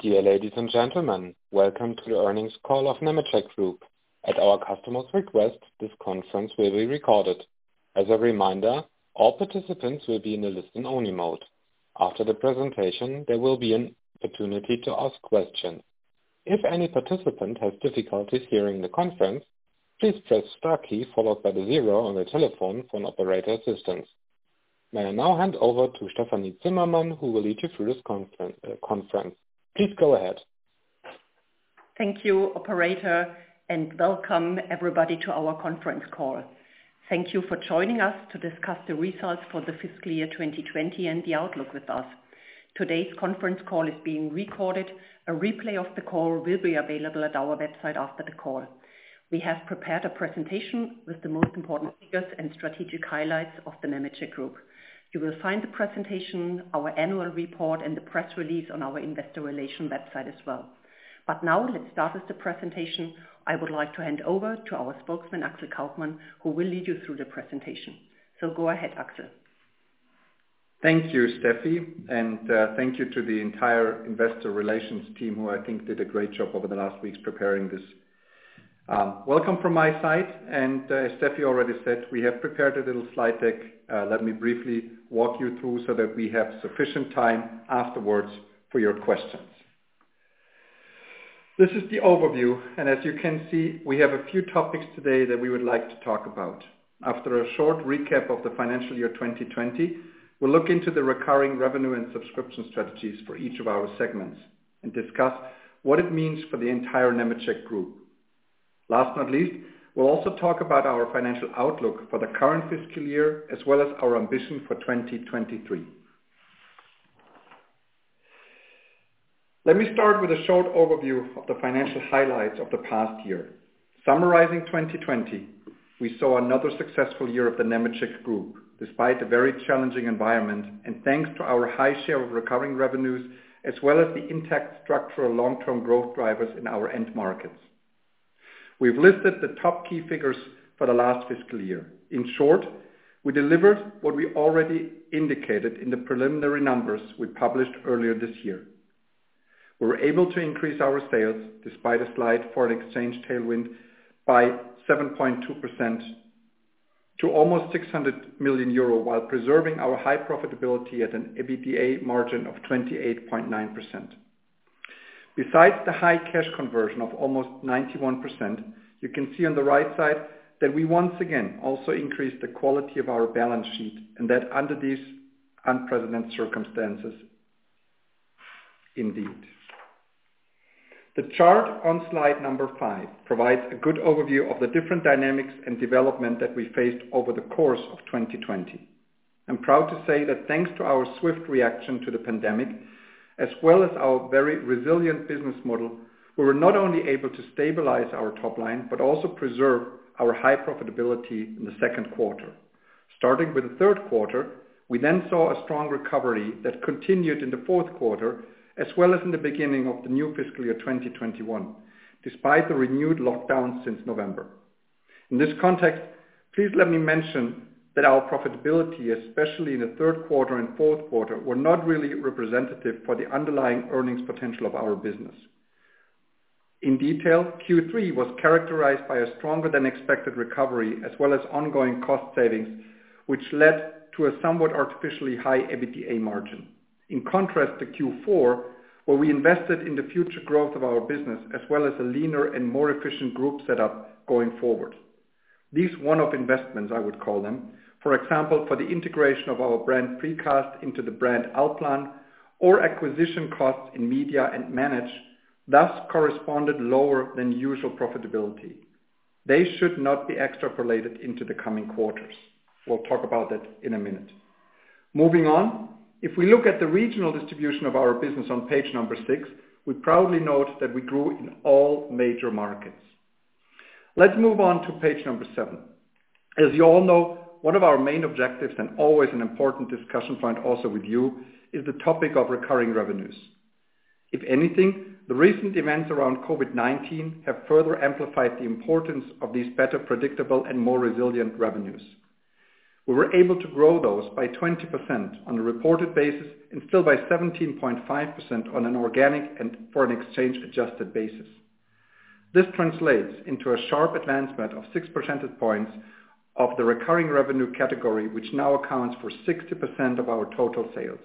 Dear ladies and gentlemen, welcome to the earnings call of Nemetschek Group. At our customer's request, this conference will be recorded. As a reminder, all participants will be in a listen-only mode. After the presentation, there will be an opportunity to ask questions. If any participant has difficulties hearing the conference, please press star key followed by the zero on your telephone for an operator assistance. May I now hand over to Stefanie Zimmermann, who will lead you through this conference. Please go ahead. Thank you, operator. Welcome everybody to our conference call. Thank you for joining us to discuss the results for the fiscal year 2020 and the outlook with us. Today's conference call is being recorded. A replay of the call will be available at our website after the call. We have prepared a presentation with the most important figures and strategic highlights of the Nemetschek Group. You will find the presentation, our annual report, and the press release on our investor relation website as well. Now let's start with the presentation. I would like to hand over to our Spokesman, Axel Kaufmann, who will lead you through the presentation. Go ahead, Axel. Thank you, Steffi, and thank you to the entire investor relations team who I think did a great job over the last weeks preparing this. Welcome from my side, and as Steffi already said, we have prepared a little slide deck. Let me briefly walk you through so that we have sufficient time afterwards for your questions. This is the overview, and as you can see, we have a few topics today that we would like to talk about. After a short recap of the financial year 2020, we'll look into the recurring revenue and subscription strategies for each of our segments and discuss what it means for the entire Nemetschek Group. Last but not least, we'll also talk about our financial outlook for the current fiscal year, as well as our ambition for 2023. Let me start with a short overview of the financial highlights of the past year. Summarizing 2020, we saw another successful year of the Nemetschek Group, despite a very challenging environment and thanks to our high share of recurring revenues, as well as the intact structural long-term growth drivers in our end markets. We've listed the top key figures for the last fiscal year. In short, we delivered what we already indicated in the preliminary numbers we published earlier this year. We were able to increase our sales despite a slight foreign exchange tailwind by 7.2% to almost 600 million euro while preserving our high profitability at an EBITDA margin of 28.9%. Besides the high cash conversion of almost 91%, you can see on the right side that we once again also increased the quality of our balance sheet and that under these unprecedented circumstances indeed. The chart on slide number five provides a good overview of the different dynamics and development that we faced over the course of 2020. I'm proud to say that thanks to our swift reaction to the pandemic, as well as our very resilient business model, we were not only able to stabilize our top line, but also preserve our high profitability in the second quarter. Starting with the third quarter, we then saw a strong recovery that continued in the fourth quarter as well as in the beginning of the new fiscal year 2021, despite the renewed lockdown since November. In this context, please let me mention that our profitability, especially in the third quarter and fourth quarter, were not really representative for the underlying earnings potential of our business. In detail, Q3 was characterized by a stronger than expected recovery, as well as ongoing cost savings, which led to a somewhat artificially high EBITDA margin. In contrast to Q4, where we invested in the future growth of our business, as well as a leaner and more efficient group set up going forward. These one-off investments, I would call them, for example, for the integration of our brand Precast into the brand ALLPLAN or acquisition costs in media and M&E, thus corresponded lower than usual profitability. They should not be extrapolated into the coming quarters. We'll talk about that in a minute. Moving on, if we look at the regional distribution of our business on page number six, we proudly note that we grew in all major markets. Let's move on to page number seven. As you all know, one of our main objectives and always an important discussion point also with you is the topic of recurring revenues. If anything, the recent events around COVID-19 have further amplified the importance of these better predictable and more resilient revenues. We were able to grow those by 20% on a reported basis and still by 17.5% on an organic and foreign exchange adjusted basis. This translates into a sharp advancement of six percentage points of the recurring revenue category, which now accounts for 60% of our total sales.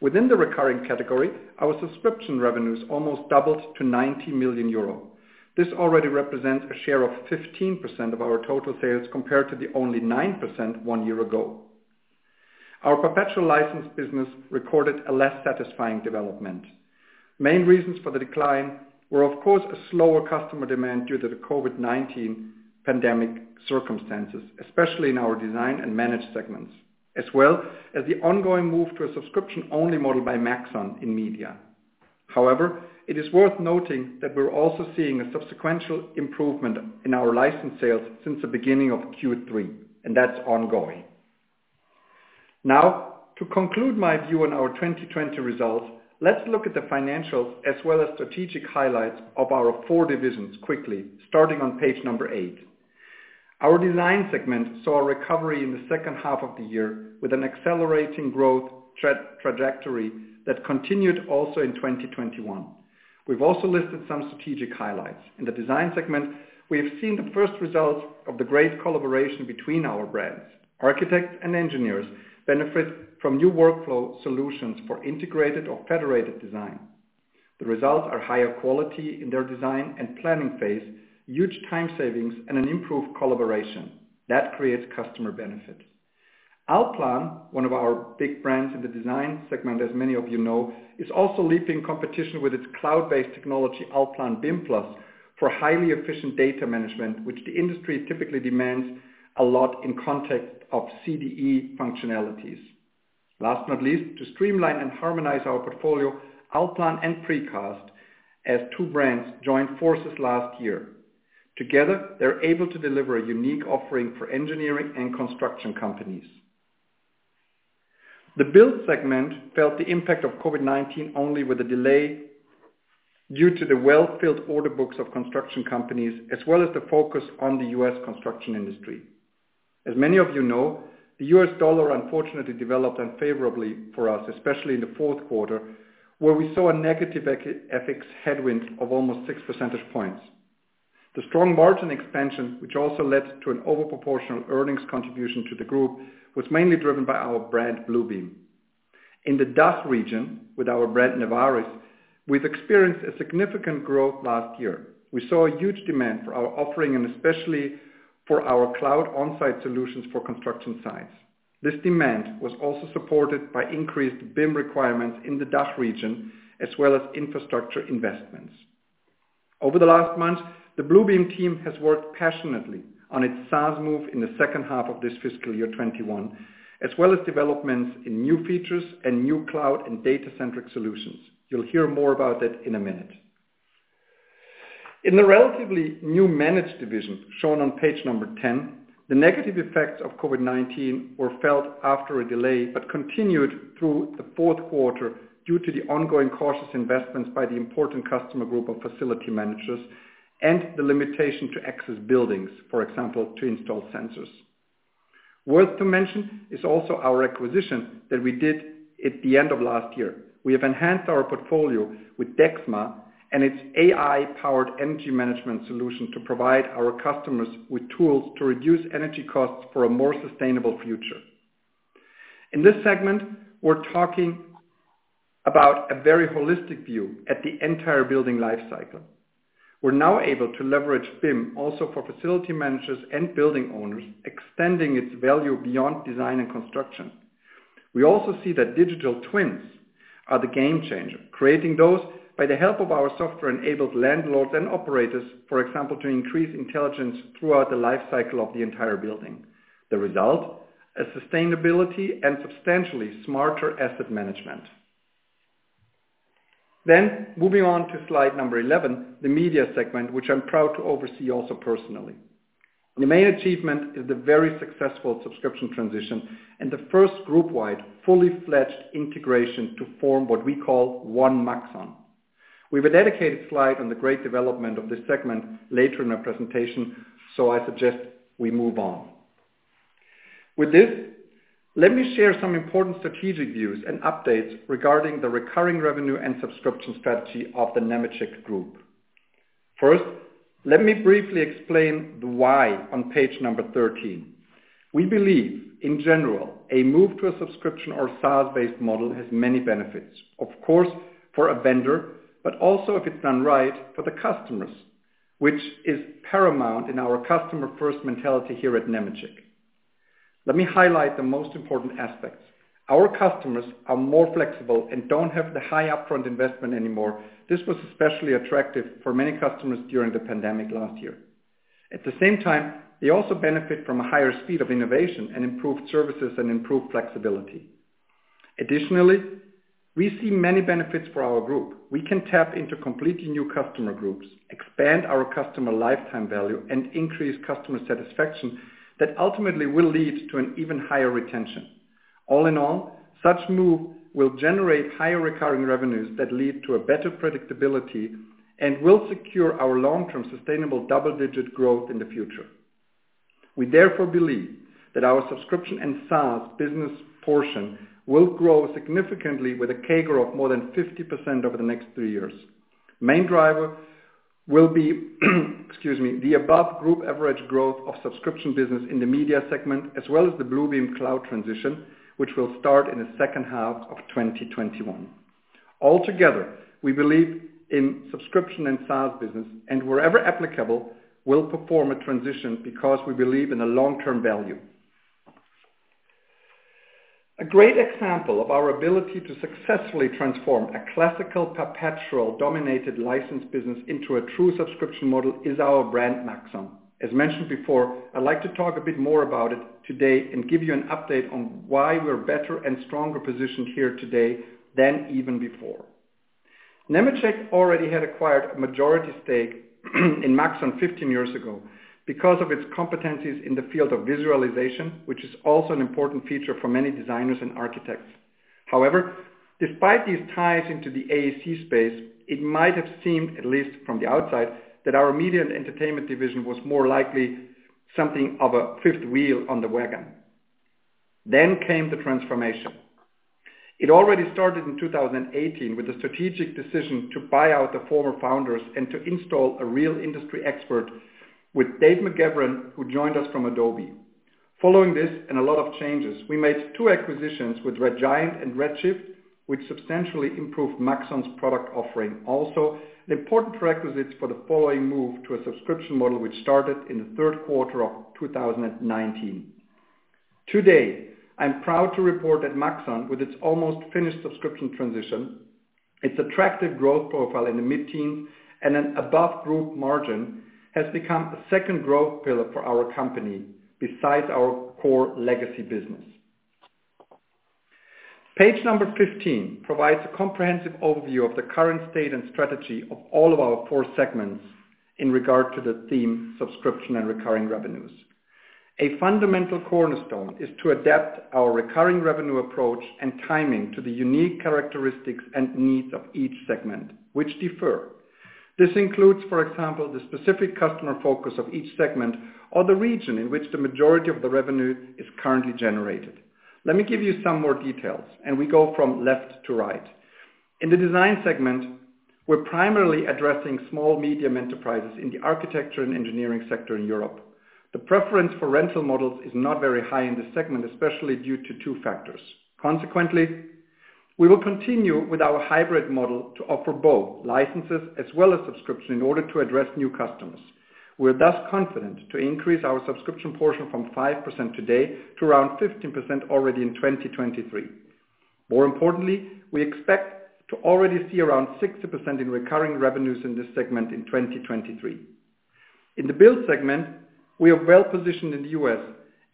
Within the recurring category, our subscription revenues almost doubled to 90 million euro. This already represents a share of 15% of our total sales compared to the only 9% one year ago. Our perpetual license business recorded a less satisfying development. Main reasons for the decline were, of course, a slower customer demand due to the COVID-19 pandemic circumstances, especially in our design and manage segments, as well as the ongoing move to a subscription-only model by Maxon in media. However, it is worth noting that we're also seeing a subsequential improvement in our license sales since the beginning of Q3, and that's ongoing. Now, to conclude my view on our 2020 results, let's look at the financials as well as strategic highlights of our four divisions quickly starting on page number eight. Our design segment saw a recovery in the second half of the year with an accelerating growth trajectory that continued also in 2021. We've also listed some strategic highlights. In the design segment, we have seen the first results of the great collaboration between our brands. Architects and engineers benefit from new workflow solutions for integrated or federated design. The results are higher quality in their design and planning phase, huge time savings, and improved collaboration. That creates customer benefits. ALLPLAN, one of our big brands in the design segment, as many of you know, is also leaping competition with its cloud-based technology, ALLPLAN Bimplus, for highly efficient data management, which the industry typically demands a lot in context of CDE functionalities. Last but not least, to streamline and harmonize our portfolio, ALLPLAN and Precast as two brands, joined forces last year. Together, they're able to deliver a unique offering for engineering and construction companies. The build segment felt the impact of COVID-19 only with a delay due to the well-filled order books of construction companies, as well as the focus on the U.S. construction industry. As many of you know, the U.S. dollar unfortunately developed unfavorably for us, especially in the fourth quarter, where we saw a negative FX headwind of almost 6 percentage points. The strong margin expansion, which also led to an overproportional earnings contribution to the group, was mainly driven by our brand Bluebeam. In the DACH region with our brand NEVARIS, we've experienced a significant growth last year. We saw a huge demand for our offering and especially for our cloud onsite solutions for construction sites. This demand was also supported by increased BIM requirements in the DACH region, as well as infrastructure investments. Over the last month, the Bluebeam team has worked passionately on its SaaS move in the second half of this fiscal year 2021, as well as developments in new features and new cloud and data-centric solutions. You'll hear more about that in a minute. In the relatively new manage division shown on page number 10, the negative effects of COVID-19 were felt after a delay, but continued through the fourth quarter due to the ongoing cautious investments by the important customer group of facility managers and the limitation to access buildings, for example, to install sensors. Worth to mention is also our acquisition that we did at the end of last year. We have enhanced our portfolio with DEXMA and its AI-powered energy management solution to provide our customers with tools to reduce energy costs for a more sustainable future. In this segment, we're talking about a very holistic view at the entire building life cycle. We're now able to leverage BIM also for facility managers and building owners, extending its value beyond design and construction. We also see that digital twins are the game changer. Creating those by the help of our software enables landlords and operators, for example, to increase intelligence throughout the life cycle of the entire building. The result, a sustainability and substantially smarter asset management. Moving on to slide number 11, the media segment, which I'm proud to oversee also personally. The main achievement is the very successful subscription transition and the first group-wide, fully fledged integration to form what we call Maxon One. We have a dedicated slide on the great development of this segment later in our presentation, so I suggest we move on. With this, let me share some important strategic views and updates regarding the recurring revenue and subscription strategy of the Nemetschek Group. Let me briefly explain the why on page number 13. We believe, in general, a move to a subscription or SaaS-based model has many benefits, of course, for a vendor, but also if it's done right for the customers, which is paramount in our customer-first mentality here at Nemetschek. Let me highlight the most important aspects. Our customers are more flexible and don't have the high upfront investment anymore. This was especially attractive for many customers during the pandemic last year. At the same time, they also benefit from a higher speed of innovation and improved services and improved flexibility. Additionally, we see many benefits for our group. We can tap into completely new customer groups, expand our customer lifetime value, and increase customer satisfaction that ultimately will lead to an even higher retention. All in all, such move will generate higher recurring revenues that lead to better predictability and will secure our long-term sustainable double-digit growth in the future. We therefore believe that our subscription and SaaS business portion will grow significantly with a CAGR of more than 50% over the next three years. Main driver will be excuse me, the above group average growth of subscription business in the media segment, as well as the Bluebeam cloud transition, which will start in the second half of 2021. Altogether, we believe in subscription and SaaS business, and wherever applicable, we'll perform a transition because we believe in the long-term value. A great example of our ability to successfully transform a classical, perpetual, dominated license business into a true subscription model is our brand Maxon. As mentioned before, I'd like to talk a bit more about it today and give you an update on why we're better and stronger positioned here today than even before. Nemetschek already had acquired a majority stake in Maxon 15 years ago because of its competencies in the field of visualization, which is also an important feature for many designers and architects. However, despite these ties into the AEC space, it might have seemed, at least from the outside, that our media and entertainment division was more likely something of a fifth wheel on the wagon. Came the transformation. It already started in 2018 with the strategic decision to buy out the former founders and to install a real industry expert with Dave McGavran, who joined us from Adobe. Following this, and a lot of changes, we made two acquisitions with Red Giant and Redshift, which substantially improved Maxon's product offering. Also, an important prerequisite for the following move to a subscription model, which started in the third quarter of 2019. Today, I'm proud to report that Maxon, with its almost finished subscription transition, its attractive growth profile in the mid-teen, and an above group margin, has become a second growth pillar for our company besides our core legacy business. Page number 15 provides a comprehensive overview of the current state and strategy of all of our four segments in regard to the theme subscription and recurring revenues. A fundamental cornerstone is to adapt our recurring revenue approach and timing to the unique characteristics and needs of each segment, which differ. This includes, for example, the specific customer focus of each segment, or the region in which the majority of the revenue is currently generated. Let me give you some more details, and we go from left to right. In the design segment, we're primarily addressing small medium enterprises in the architecture and engineering sector in Europe. The preference for rental models is not very high in this segment, especially due to two factors. Consequently, we will continue with our hybrid model to offer both licenses as well as subscription in order to address new customers. We're thus confident to increase our subscription portion from 5% today to around 15% already in 2023. More importantly, we expect to already see around 60% in recurring revenues in this segment in 2023. In the build segment, we are well-positioned in the U.S.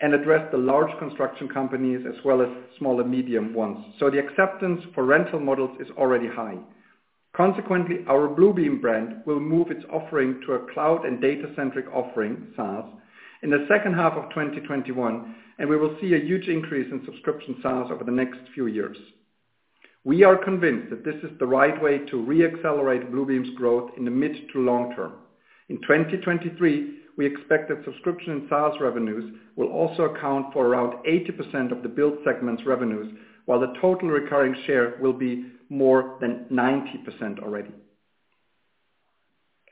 and address the large construction companies as well as small and medium ones, so the acceptance for rental models is already high. Consequently, our Bluebeam brand will move its offering to a cloud and data-centric offering, SaaS, in the second half of 2021, and we will see a huge increase in subscription SaaS over the next few years. We are convinced that this is the right way to re-accelerate Bluebeam's growth in the mid to long term. In 2023, we expect that subscription and SaaS revenues will also account for around 80% of the build segment's revenues, while the total recurring share will be more than 90% already.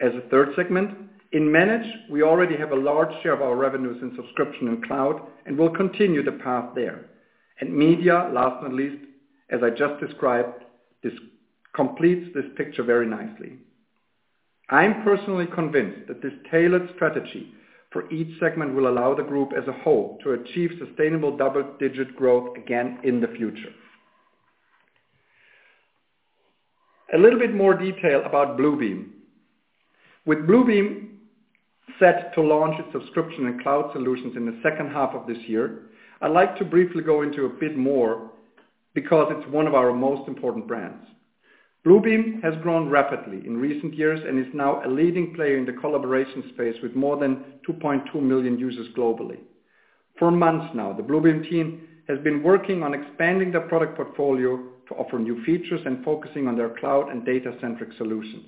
As a third segment, in Manage, we already have a large share of our revenues in subscription and cloud and will continue the path there. Media, last but not least, as I just described, completes this picture very nicely. I'm personally convinced that this tailored strategy for each segment will allow the group as a whole to achieve sustainable double-digit growth again in the future. A little bit more detail about Bluebeam. With Bluebeam set to launch its subscription and cloud solutions in the second half of this year, I'd like to briefly go into a bit more because it's one of our most important brands. Bluebeam has grown rapidly in recent years and is now a leading player in the collaboration space with more than 2.2 million users globally. For months now, the Bluebeam team has been working on expanding their product portfolio to offer new features and focusing on their cloud and data-centric solutions.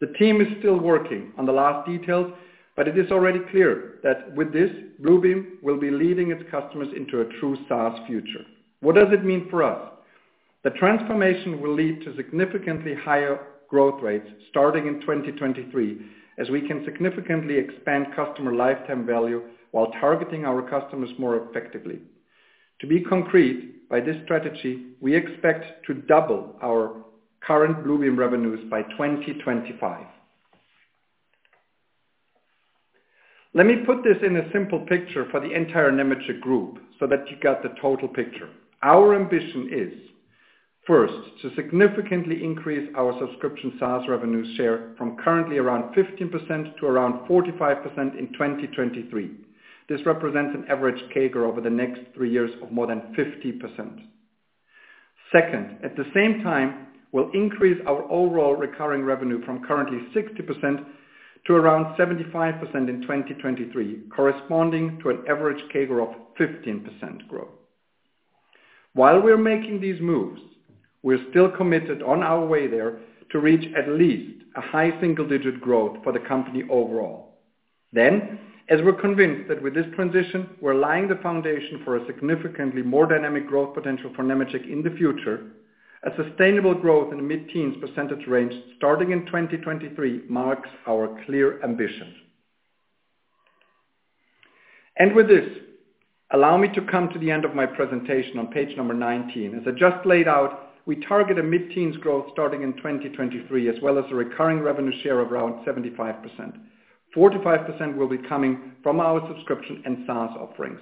The team is still working on the last details, but it is already clear that with this, Bluebeam will be leading its customers into a true SaaS future. What does it mean for us? The transformation will lead to significantly higher growth rates starting in 2023, as we can significantly expand customer lifetime value while targeting our customers more effectively. To be concrete, by this strategy, we expect to double our current Bluebeam revenues by 2025. Let me put this in a simple picture for the entire Nemetschek Group so that you got the total picture. Our ambition is, first, to significantly increase our subscription SaaS revenue share from currently around 15% to around 45% in 2023. This represents an average CAGR over the next three years of more than 50%. Second, at the same time, we will increase our overall recurring revenue from currently 60% to around 75% in 2023, corresponding to an average CAGR of 15% growth. While we are making these moves, we are still committed on our way there to reach at least a high single-digit growth for the company overall. As we're convinced that with this transition, we're laying the foundation for a significantly more dynamic growth potential for Nemetschek in the future, a sustainable growth in the mid-teens percentage range starting in 2023 marks our clear ambition. With this, allow me to come to the end of my presentation on page number 19. As I just laid out, we target a mid-teens growth starting in 2023, as well as a recurring revenue share of around 75%. 45% will be coming from our subscription and SaaS offerings.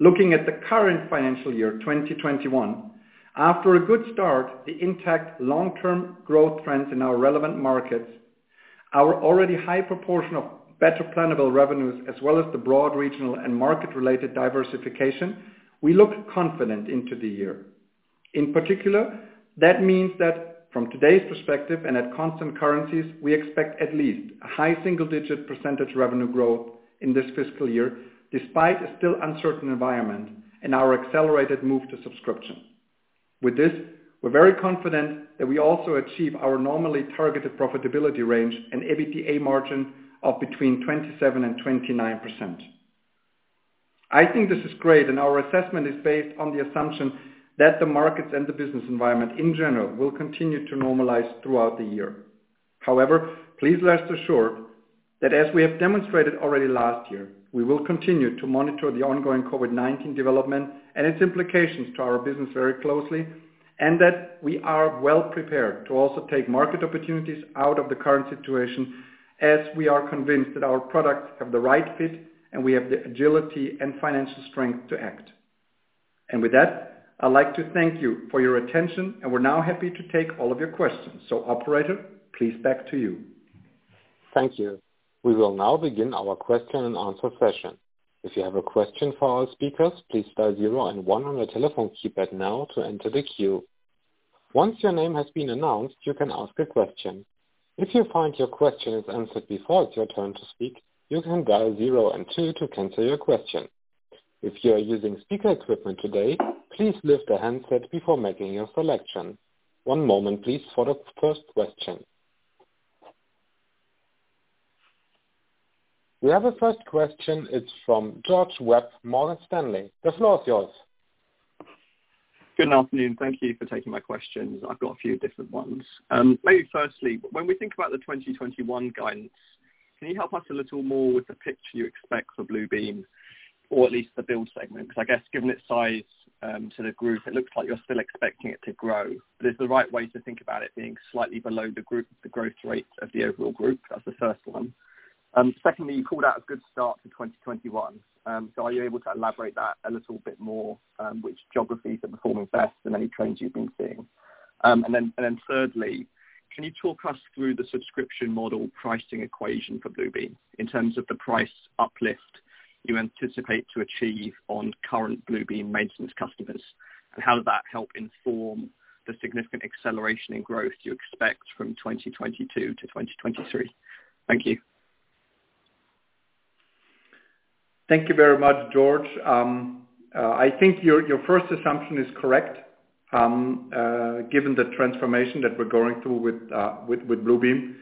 Looking at the current financial year, 2021, after a good start, the intact long-term growth trends in our relevant markets, our already high proportion of better-plannable revenues, as well as the broad regional and market-related diversification, we look confident into the year. In particular, that means that from today's perspective and at constant currencies, we expect at least a high single-digit percentage revenue growth in this fiscal year, despite a still uncertain environment and our accelerated move to subscription. With this, we're very confident that we also achieve our normally targeted profitability range and EBITDA margin of between 27%-29%. I think this is great. Our assessment is based on the assumption that the markets and the business environment in general will continue to normalize throughout the year. However, please rest assured that as we have demonstrated already last year, we will continue to monitor the ongoing COVID-19 development and its implications to our business very closely, and that we are well prepared to also take market opportunities out of the current situation as we are convinced that our products have the right fit and we have the agility and financial strength to act. With that, I'd like to thank you for your attention, and we're now happy to take all of your questions. Operator, please back to you. Thank you. We will now begin our question and answer session. If you have a question for our speakers, please dial zero and one on your telephone keypad now to enter the queue. Once your name has been announced, you can ask a question. If you find your question is answered before it's your turn to speak, you can dial zero and two to cancel your question. If you are using speaker equipment today, please lift the handset before making your selection. One moment, please, for the first question. We have a first question. It's from George Webb, Morgan Stanley. The floor is yours. Good afternoon. Thank you for taking my questions. I've got a few different ones. Firstly, when we think about the 2021 guidance, can you help us a little more with the picture you expect for Bluebeam or at least the build segment? I guess given its size, to the group, it looks like you're still expecting it to grow. Is the right way to think about it being slightly below the growth rate of the overall group? That's the first one. Secondly, you called out a good start to 2021. Are you able to elaborate that a little bit more, which geographies are performing best and any trends you've been seeing? Thirdly, can you talk us through the subscription model pricing equation for Bluebeam in terms of the price uplift you anticipate to achieve on current Bluebeam maintenance customers, and how does that help inform the significant acceleration in growth you expect from 2022 to 2023? Thank you. Thank you very much, George. I think your first assumption is correct, given the transformation that we're going through with Bluebeam.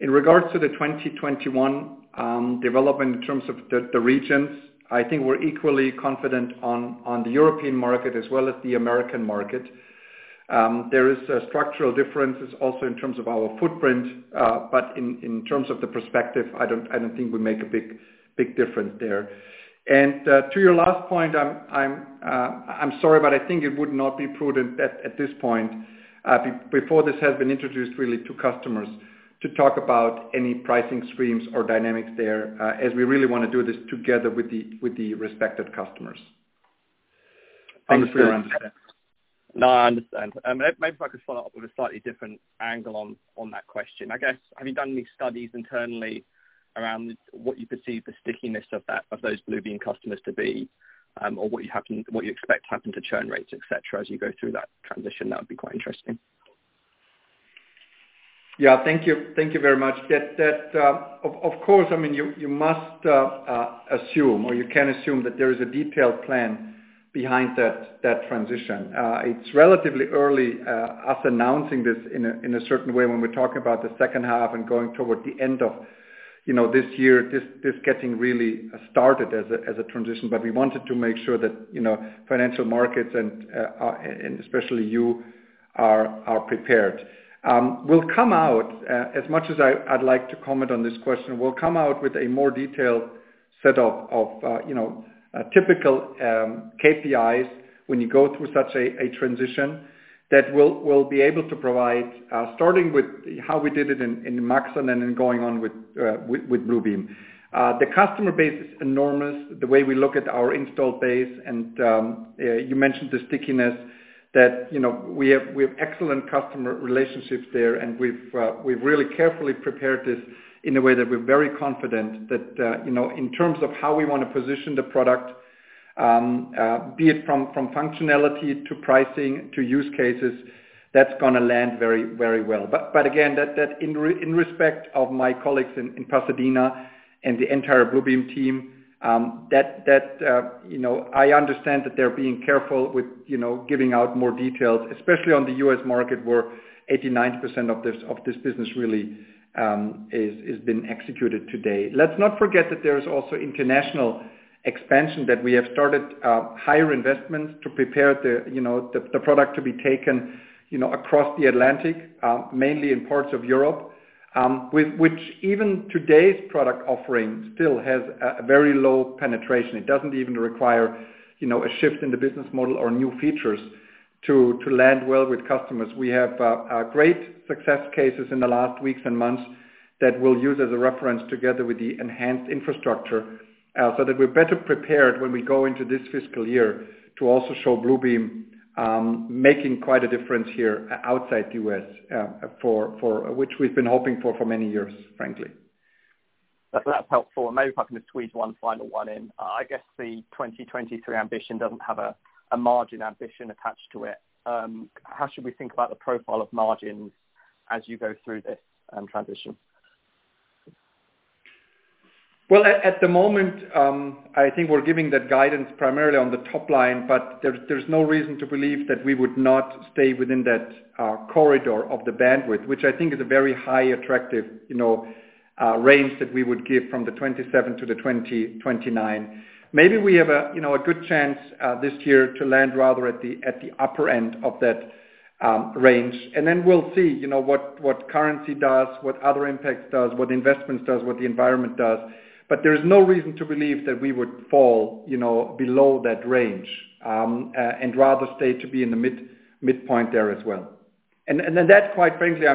In regards to the 2021 development in terms of the regions, I think we're equally confident on the European market as well as the American market. There is structural differences also in terms of our footprint, but in terms of the perspective, I don't think we make a big difference there. To your last point, I'm sorry, but I think it would not be prudent at this point, before this has been introduced really to customers to talk about any pricing streams or dynamics there, as we really want to do this together with the respective customers. Thanks for your understanding. No, I understand. Maybe if I could follow up with a slightly different angle on that question. I guess, have you done any studies internally around what you perceive the stickiness of those Bluebeam customers to be, or what you expect to happen to churn rates, et cetera, as you go through that transition? That would be quite interesting. Thank you very much. You must assume or you can assume that there is a detailed plan behind that transition. It is relatively early, us announcing this in a certain way when we are talking about the second half and going toward the end of this year, this getting really started as a transition. We wanted to make sure that financial markets and especially you are prepared. As much as I would like to comment on this question, we will come out with a more detailed set of typical KPIs when you go through such a transition that we will be able to provide, starting with how we did it in Maxon and then going on with Bluebeam. The customer base is enormous, the way we look at our installed base, and you mentioned the stickiness that we have excellent customer relationships there. We've really carefully prepared this in a way that we're very confident that in terms of how we want to position the product, be it from functionality to pricing to use cases, that's going to land very well. Again, that in respect of my colleagues in Pasadena and the entire Bluebeam team, I understand that they're being careful with giving out more details, especially on the U.S. market where 89% of this business really is being executed today. Let's not forget that there is also international expansion that we have started higher investments to prepare the product to be taken across the Atlantic, mainly in parts of Europe, with which even today's product offering still has a very low penetration. It doesn't even require a shift in the business model or new features to land well with customers. We have great success cases in the last weeks and months that we'll use as a reference together with the enhanced infrastructure, so that we're better prepared when we go into this fiscal year to also show Bluebeam making quite a difference here outside the U.S., which we've been hoping for for many years, frankly. That's helpful. Maybe if I can just squeeze one final one in. I guess the 2023 ambition doesn't have a margin ambition attached to it. How should we think about the profile of margins as you go through this transition? Well, at the moment, I think we're giving that guidance primarily on the top line, but there's no reason to believe that we would not stay within that corridor of the bandwidth, which I think is a very high, attractive range that we would give from the 27%-29%. Maybe we have a good chance this year to land rather at the upper end of that range. Then we'll see what currency does, what other impacts does, what investments does, what the environment does. There is no reason to believe that we would fall below that range, and rather stay to be in the midpoint there as well. That, quite frankly,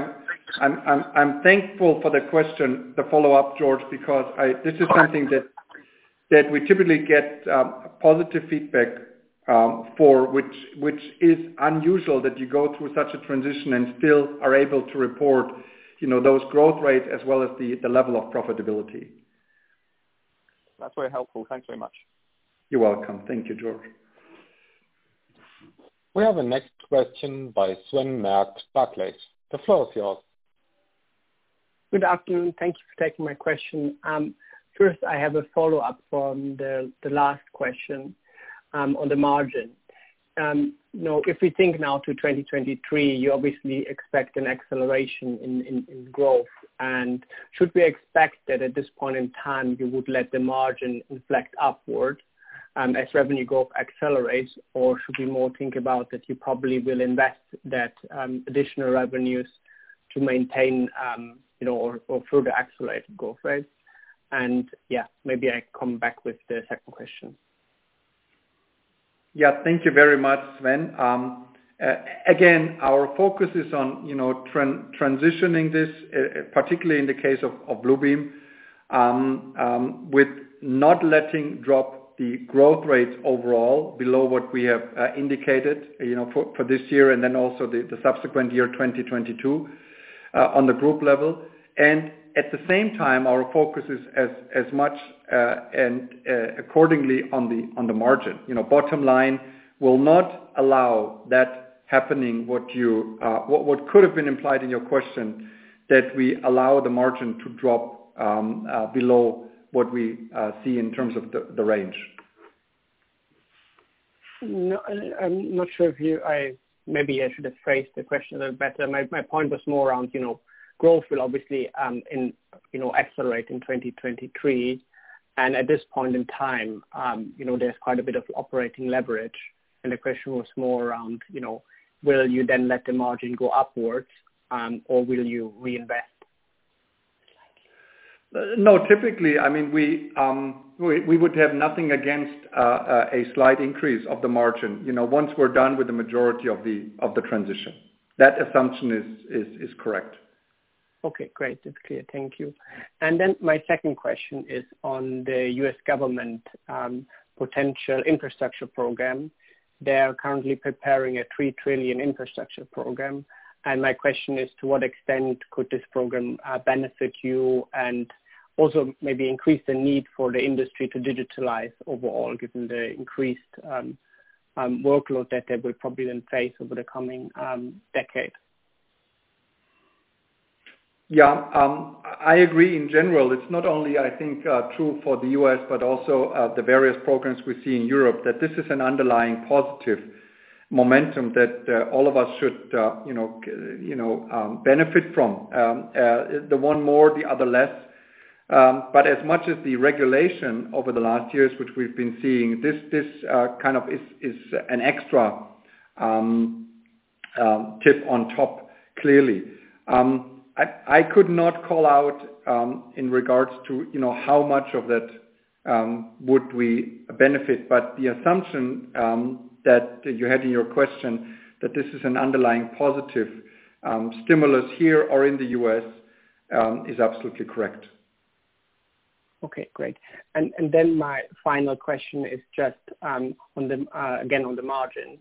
I'm thankful for the question, the follow-up, George, because this is something that we typically get positive feedback for, which is unusual, that you go through such a transition and still are able to report those growth rates as well as the level of profitability. That's very helpful. Thanks very much. You're welcome. Thank you, George. We have the next question by Sven Merkt, Barclays. The floor is yours. Good afternoon. Thank you for taking my question. First, I have a follow-up from the last question on the margin. If we think now to 2023, you obviously expect an acceleration in growth. Should we expect that at this point in time, you would let the margin inflect upward as revenue growth accelerates? Should we more think about that you probably will invest that additional revenues to maintain or further accelerate growth rates? Yeah, maybe I come back with the second question. Yeah. Thank you very much, Sven. Our focus is on transitioning this, particularly in the case of Bluebeam, with not letting drop the growth rates overall below what we have indicated for this year, and also the subsequent year, 2022, on the group level. At the same time, our focus is as much and accordingly on the margin. Bottom line, we'll not allow that happening, what could have been implied in your question, that we allow the margin to drop below what we see in terms of the range. No, I'm not sure if maybe I should have phrased the question a little better. My point was more around growth will obviously accelerate in 2023, and at this point in time, there's quite a bit of operating leverage. The question was more around, will you then let the margin go upwards or will you reinvest? No, typically, we would have nothing against a slight increase of the margin once we're done with the majority of the transition. That assumption is correct. Okay, great. That's clear. Thank you. My second question is on the U.S. government potential infrastructure program. They are currently preparing a 3 trillion infrastructure program. My question is, to what extent could this program benefit you and also maybe increase the need for the industry to digitalize overall, given the increased workload that they will probably then face over the coming decade? I agree in general, it's not only I think true for the U.S., but also the various programs we see in Europe, that this is an underlying positive momentum that all of us should benefit from. The one more, the other less. As much as the regulation over the last years, which we've been seeing, this kind of is an extra chip on top, clearly. I could not call out in regards to how much of that would we benefit. The assumption that you had in your question that this is an underlying positive stimulus here or in the U.S., is absolutely correct. Okay, great. My final question is just, again, on the margin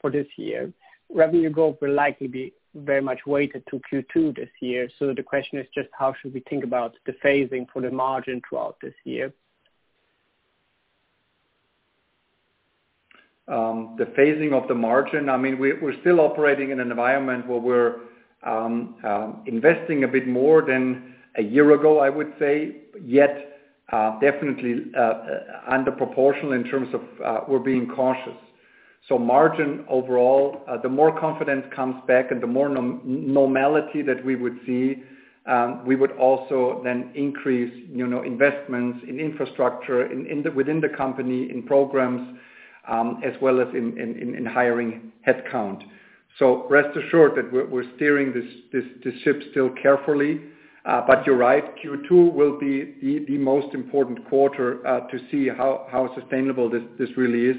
for this year. Revenue growth will likely be very much weighted to Q2 this year. The question is just how should we think about the phasing for the margin throughout this year? The phasing of the margin, we're still operating in an environment where we're investing a bit more than a year ago, I would say, yet definitely under proportional in terms of we're being cautious. Margin overall, the more confidence comes back and the more normality that we would see, we would also then increase investments in infrastructure within the company, in programs, as well as in hiring headcount. Rest assured that we're steering this ship still carefully. You're right, Q2 will be the most important quarter to see how sustainable this really is.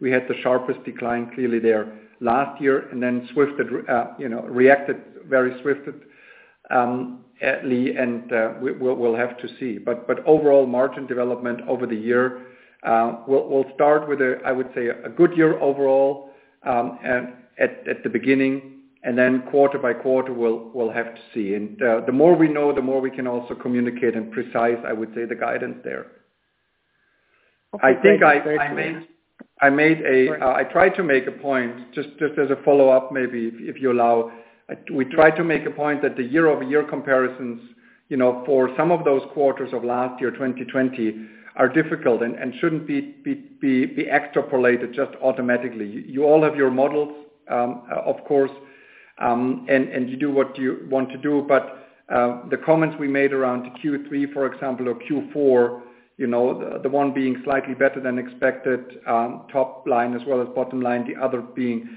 We had the sharpest decline clearly there last year and then reacted very swiftly, and we'll have to see. Overall margin development over the year, we'll start with, I would say, a good year overall at the beginning, and then quarter-by-quarter, we'll have to see. The more we know, the more we can also communicate and precise, I would say, the guidance there. I tried to make a point, just as a follow-up, maybe, if you allow. We tried to make a point that the year-over-year comparisons for some of those quarters of last year, 2020, are difficult and shouldn't be extrapolated just automatically. You all have your models, of course, and you do what you want to do. The comments we made around Q3, for example, or Q4, the one being slightly better than expected, top line as well as bottom line, the other being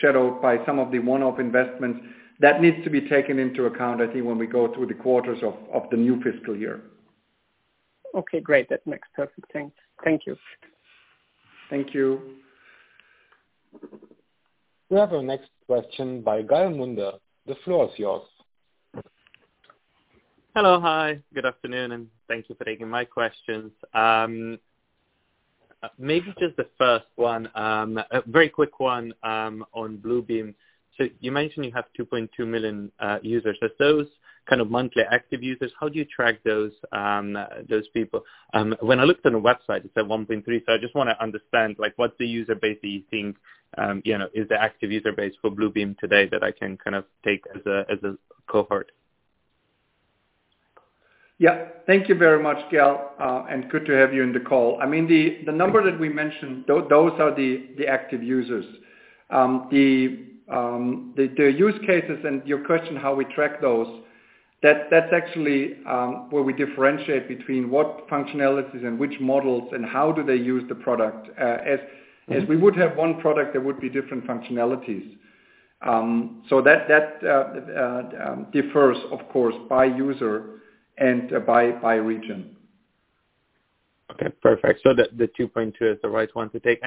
shadowed by some of the one-off investments. That needs to be taken into account, I think, when we go through the quarters of the new fiscal year. Okay, great. That makes perfect sense. Thank you. Thank you. We have our next question by Gal Munda. The floor is yours. Hello. Hi, good afternoon. Thank you for taking my questions. Maybe just the first one, a very quick one on Bluebeam. You mentioned you have 2.2 million users. Are those monthly active users? How do you track those people? When I looked on the website, it said 1.3 million. I just want to understand what the user base that you think is the active user base for Bluebeam today that I can take as a cohort. Yeah. Thank you very much, Gal, and good to have you on the call. The number that we mentioned, those are the active users. The use cases and your question, how we track those, that's actually where we differentiate between what functionalities and which models, and how do they use the product. As we would have one product, there would be different functionalities. That differs, of course, by user and by region. Okay. Perfect. The 2.2 million is the right one to take.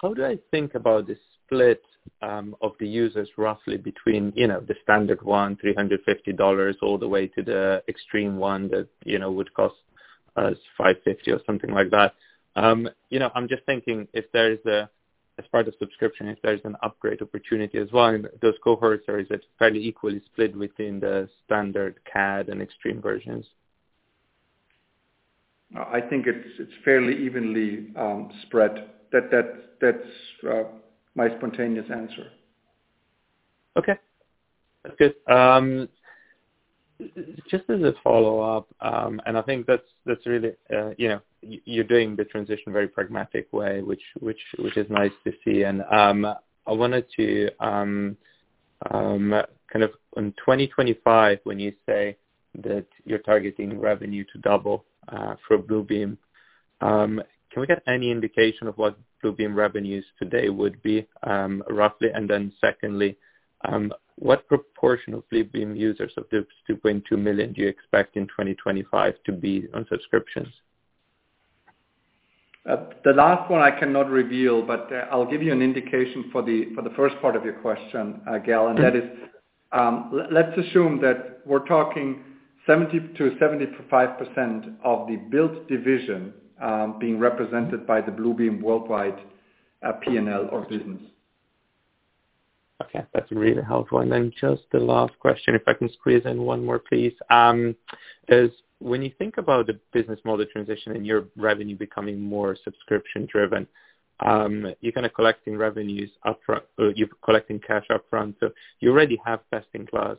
How do I think about the split of the users roughly between the standard one, $350, all the way to the eXtreme one that would cost us $550 or something like that? I'm just thinking, as part of subscription, if there's an upgrade opportunity as well in those cohorts, or is it fairly equally split within the standard CAD and eXtreme versions? I think it's fairly evenly spread. That's my spontaneous answer. Okay. That's good. Just as a follow-up, I think that's really you're doing the transition very pragmatic way, which is nice to see. On 2025, when you say that you're targeting revenue to double for Bluebeam, can we get any indication of what Bluebeam revenues today would be, roughly? Secondly, what proportion of Bluebeam users of those 2.2 million do you expect in 2025 to be on subscriptions? The last one I cannot reveal, but I'll give you an indication for the first part of your question, Gal, and that is, let's assume that we're talking 70%-75% of the build division being represented by the Bluebeam worldwide P&L of business. Okay. That's really helpful. Just the last question, if I can squeeze in one more, please, is when you think about the business model transition and your revenue becoming more subscription-driven, you're collecting cash upfront, so you already have best-in-class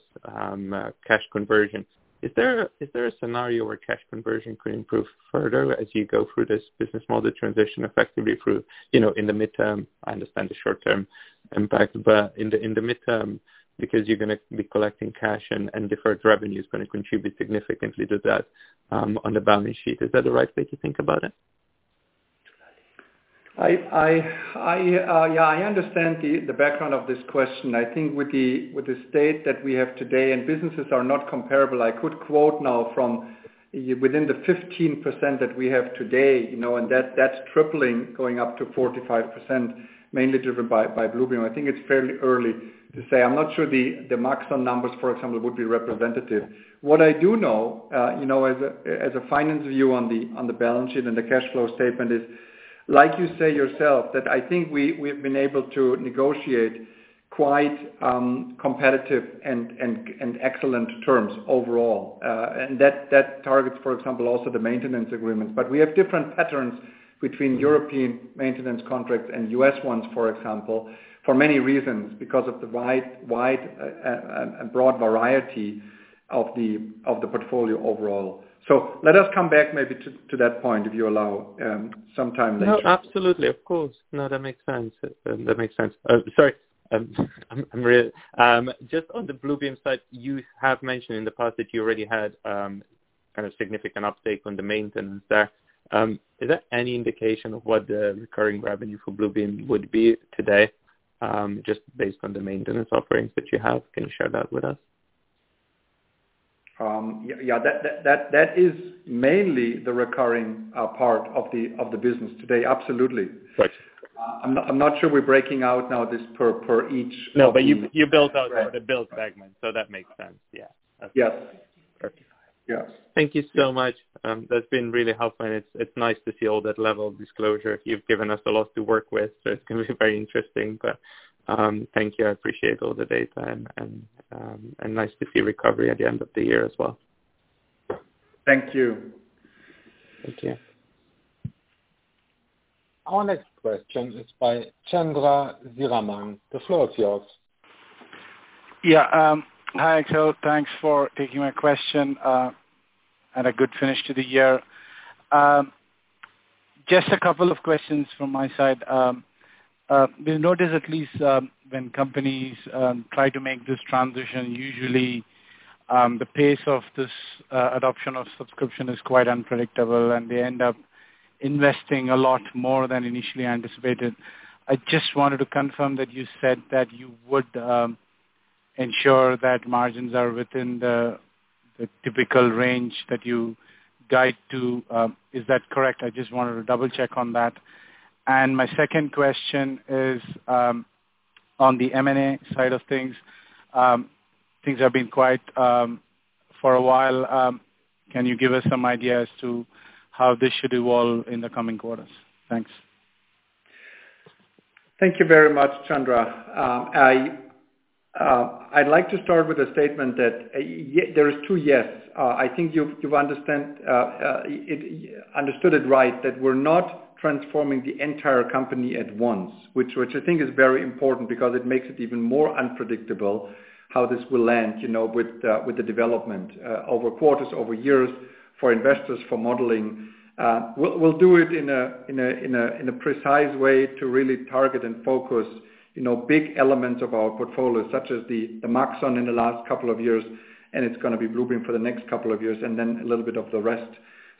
cash conversion. Is there a scenario where cash conversion could improve further as you go through this business model transition effectively through in the midterm? I understand the short-term impact, but in the midterm, because you're going to be collecting cash and deferred revenue is going to contribute significantly to that on the balance sheet. Is that the right way to think about it? I understand the background of this question. I think with the state that we have today, and businesses are not comparable, I could quote now from within the 15% that we have today, and that's tripling, going up to 45%, mainly driven by Bluebeam. I think it's fairly early to say. I'm not sure the Maxon numbers, for example, would be representative. What I do know, as a finance view on the balance sheet and the cash flow statement is, like you say yourself, that I think we've been able to negotiate quite competitive and excellent terms overall. That targets, for example, also the maintenance agreements. We have different patterns between European maintenance contracts and U.S. ones, for example, for many reasons. Because of the wide and broad variety of the portfolio overall. Let us come back maybe to that point, if you allow some time next year. No, absolutely. Of course. No, that makes sense. Sorry. Just on the Bluebeam side, you have mentioned in the past that you already had significant uptake on the maintenance there. Is there any indication of what the recurring revenue for Bluebeam would be today, just based on the maintenance offerings that you have? Can you share that with us? Yeah. That is mainly the recurring part of the business today. Absolutely. Right. I'm not sure we're breaking out now this per each. No. You built out the build segment, so that makes sense. Yeah. Yes. Perfect. Yes. Thank you so much. That's been really helpful, and it's nice to see all that level of disclosure. You've given us a lot to work with, so it's going to be very interesting. Thank you, I appreciate all the data, and nice to see recovery at the end of the year as well. Thank you. Thank you. Our next question is by Chandra Sriraman. The floor is yours. Yeah. Hi, Axel. Thanks for taking my question, a good finish to the year. Just a couple of questions from my side. We notice at least when companies try to make this transition, usually, the pace of this adoption of subscription is quite unpredictable, and they end up investing a lot more than initially anticipated. I just wanted to confirm that you said that you would ensure that margins are within the typical range that you guide to. Is that correct? I just wanted to double-check on that. My second question is, on the M&A side of things. Things have been quiet for a while. Can you give us some idea as to how this should evolve in the coming quarters? Thanks. Thank you very much, Chandra. I'd like to start with a statement that there is two yes. I think you've understood it right, that we're not transforming the entire company at once, which I think is very important because it makes it even more unpredictable how this will land, with the development, over quarters, over years, for investors, for modeling. We'll do it in a precise way to really target and focus big elements of our portfolio, such as the Maxon in the last couple of years, and it's going to be Bluebeam for the next couple of years, and then a little bit of the rest.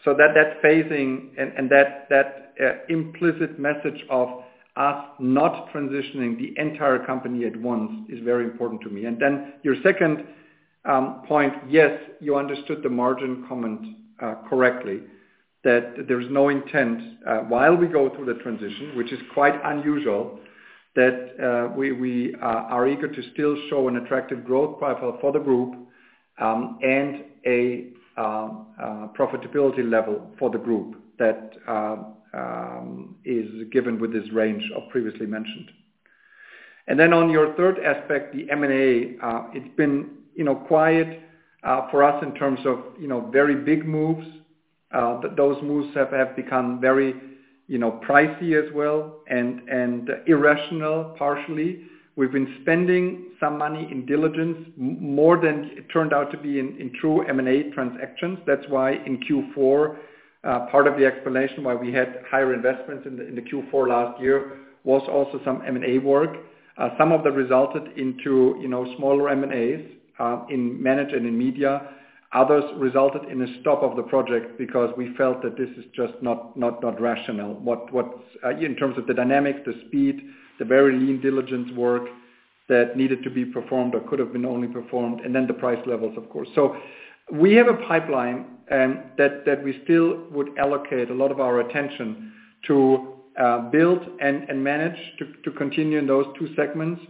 That phasing and that implicit message of us not transitioning the entire company at once is very important to me. Your second point, yes, you understood the margin comment correctly, that there is no intent while we go through the transition, which is quite unusual, that we are eager to still show an attractive growth profile for the group, and a profitability level for the group that is given with this range of previously mentioned. On your third aspect, the M&A, it's been quiet for us in terms of very big moves. Those moves have become very pricey as well, and irrational partially. We've been spending some money in diligence, more than it turned out to be in true M&A transactions. That's why in Q4, part of the explanation why we had higher investments in the Q4 last year was also some M&A work. Some of that resulted into smaller M&As, in manage and in media. Others resulted in a stop of the project because we felt that this is just not rational. In terms of the dynamic, the speed, the very lean diligence work that needed to be performed or could have been only performed, and then the price levels, of course. We have a pipeline that we still would allocate a lot of our attention to build and manage to continue in those two segments.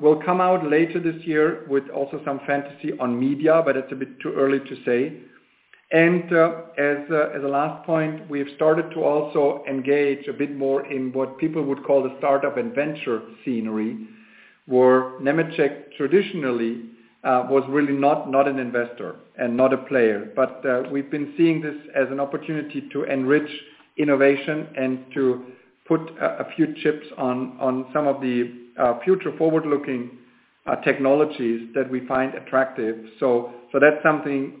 We'll come out later this year with also some fantasy on media, but it's a bit too early to say. As a last point, we have started to also engage a bit more in what people would call the startup and venture scenery, where Nemetschek traditionally was really not an investor and not a player. We've been seeing this as an opportunity to enrich innovation and to put a few chips on some of the future forward-looking technologies that we find attractive. That's something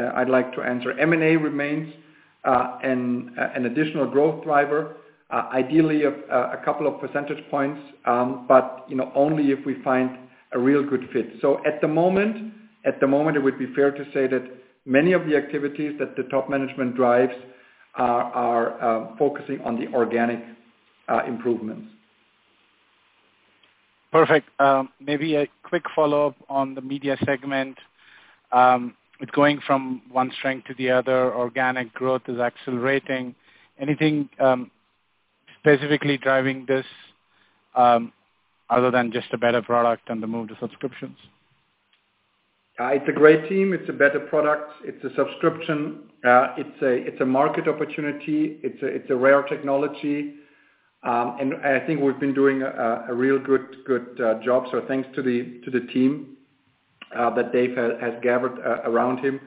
I'd like to answer. M&A remains an additional growth driver, ideally a couple of percentage points, but only if we find a real good fit. At the moment, it would be fair to say that many of the activities that the top management drives are focusing on the organic improvements. Perfect. Maybe a quick follow-up on the media segment. It's going from one strength to the other. Organic growth is accelerating. Anything specifically driving this, other than just a better product and the move to subscriptions? It's a great team. It's a better product. It's a subscription. It's a market opportunity. It's a rare technology. I think we've been doing a real good job. Thanks to the team that Dave has gathered around him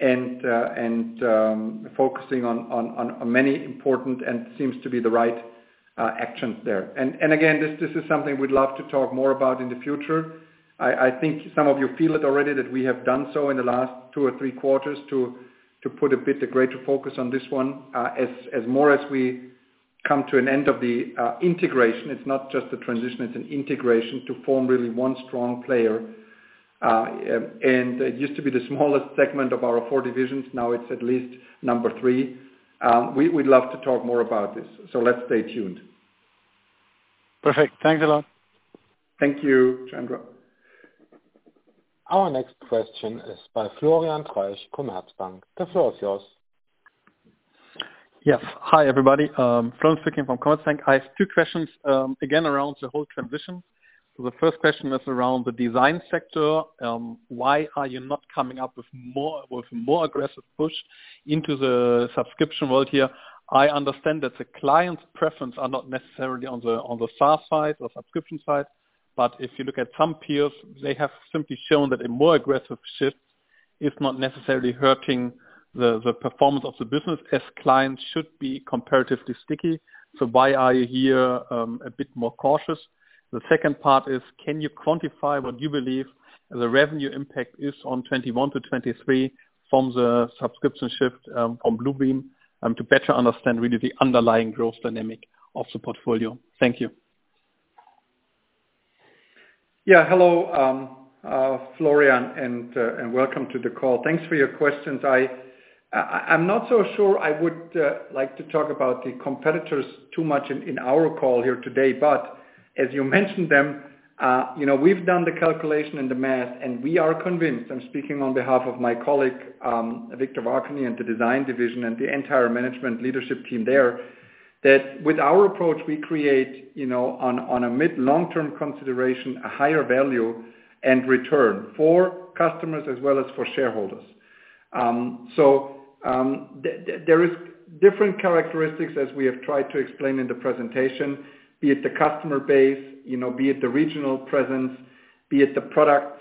and focusing on many important and seems to be the right actions there. Again, this is something we'd love to talk more about in the future. I think some of you feel it already that we have done so in the last two or three quarters to put a bit of greater focus on this one, as more as we come to an end of the integration. It's not just a transition, it's an integration to form really one strong player. It used to be the smallest segment of our four divisions. Now it's at least number three. We would love to talk more about this, so let's stay tuned. Perfect. Thanks a lot. Thank you, Chandra. Our next question is by Florian Treisch, Commerzbank. The floor is yours. Yes. Hi, everybody. Florian speaking from Commerzbank. I have two questions, again, around the whole transition. The first question is around the design sector. Why are you not coming up with more aggressive push into the subscription world here? I understand that the client's preference are not necessarily on the SaaS side or subscription side, but if you look at some peers, they have simply shown that a more aggressive shift is not necessarily hurting the performance of the business, as clients should be comparatively sticky. Why are you here a bit more cautious? The second part is, can you quantify what you believe the revenue impact is on 2021 to 2023 from the subscription shift from Bluebeam to better understand really the underlying growth dynamic of the portfolio? Thank you. Hello, Florian, welcome to the call. Thanks for your questions. I'm not so sure I would like to talk about the competitors too much in our call here today. As you mentioned them, we've done the calculation and the math, and we are convinced, I'm speaking on behalf of my colleague, Viktor Várkonyi and the Design Division and the entire management leadership team there, that with our approach, we create on a mid-long-term consideration, a higher value and return for customers as well as for shareholders. There is different characteristics as we have tried to explain in the presentation, be it the customer base, be it the regional presence, be it the products,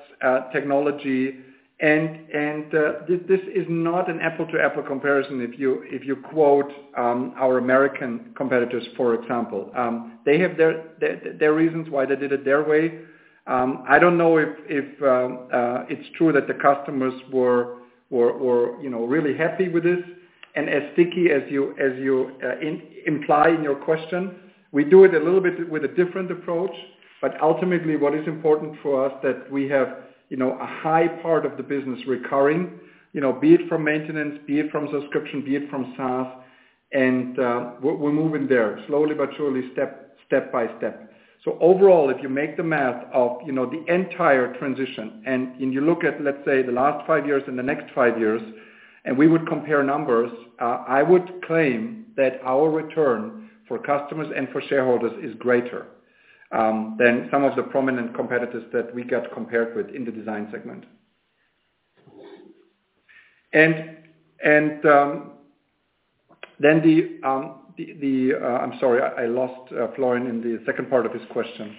technology. This is not an apple-to-apple comparison if you quote our American competitors, for example. They have their reasons why they did it their way. I don't know if it's true that the customers were really happy with this, and as sticky as you imply in your question. We do it a little bit with a different approach, but ultimately, what is important for us, that we have a high part of the business recurring, be it from maintenance, be it from subscription, be it from SaaS. We're moving there slowly but surely, step by step. Overall, if you make the math of the entire transition and you look at, let's say, the last five years and the next five years, and we would compare numbers, I would claim that our return for customers and for shareholders is greater than some of the prominent competitors that we get compared with in the design segment. I'm sorry, I lost Florian in the second part of his question.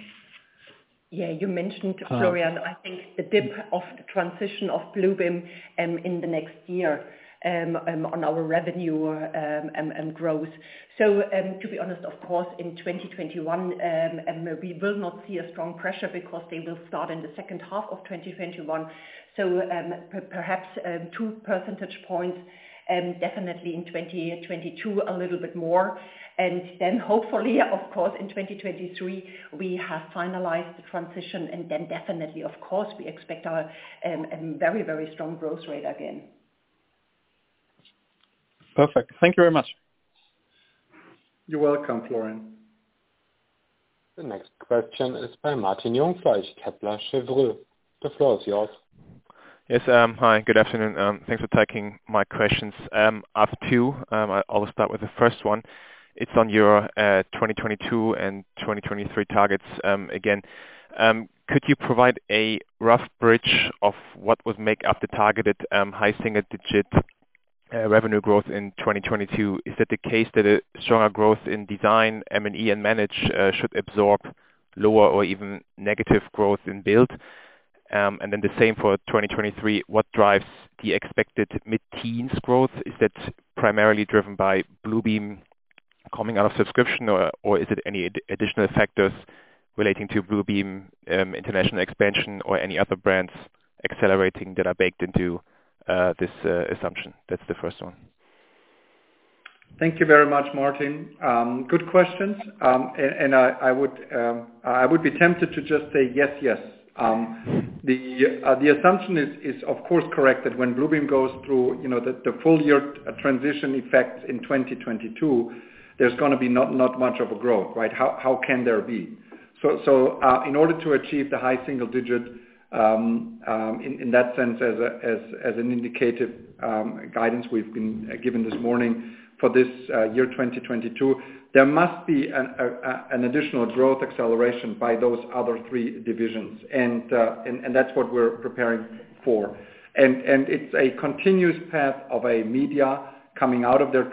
You mentioned, Florian, I think the dip of the transition of Bluebeam in the next year on our revenue and growth. To be honest, of course, in 2021, we will not see a strong pressure because they will start in the second half of 2021. Perhaps two percentage points, definitely in 2022, a little bit more. Hopefully of course, in 2023, we have finalized the transition and then definitely, of course, we expect a very strong growth rate again. Perfect. Thank you very much. You're welcome, Florian. The next question is by Martin Jungfleisch from Kepler Cheuvreux. The floor is yours. Yes. Hi, good afternoon. Thanks for taking my questions. I have two. I'll start with the first one. It's on your 2022 and 2023 targets. Again, could you provide a rough bridge of what would make up the targeted high single-digit revenue growth in 2022? Is it the case that a stronger growth in design, M&E and manage should absorb lower or even negative growth in build? The same for 2023, what drives the expected mid-teens growth? Is that primarily driven by Bluebeam coming out of subscription, or is it any additional factors relating to Bluebeam, international expansion or any other brands accelerating that are baked into this assumption? That's the first one. Thank you very much, Martin. Good questions. I would be tempted to just say yes. The assumption is of course correct that when Bluebeam goes through the full year transition effect in 2022, there's going to be not much of a growth, right? How can there be? In order to achieve the high single digit, in that sense, as an indicative guidance we've been given this morning for this year 2022, there must be an additional growth acceleration by those other three divisions. That's what we're preparing for. It's a continuous path of a media coming out of their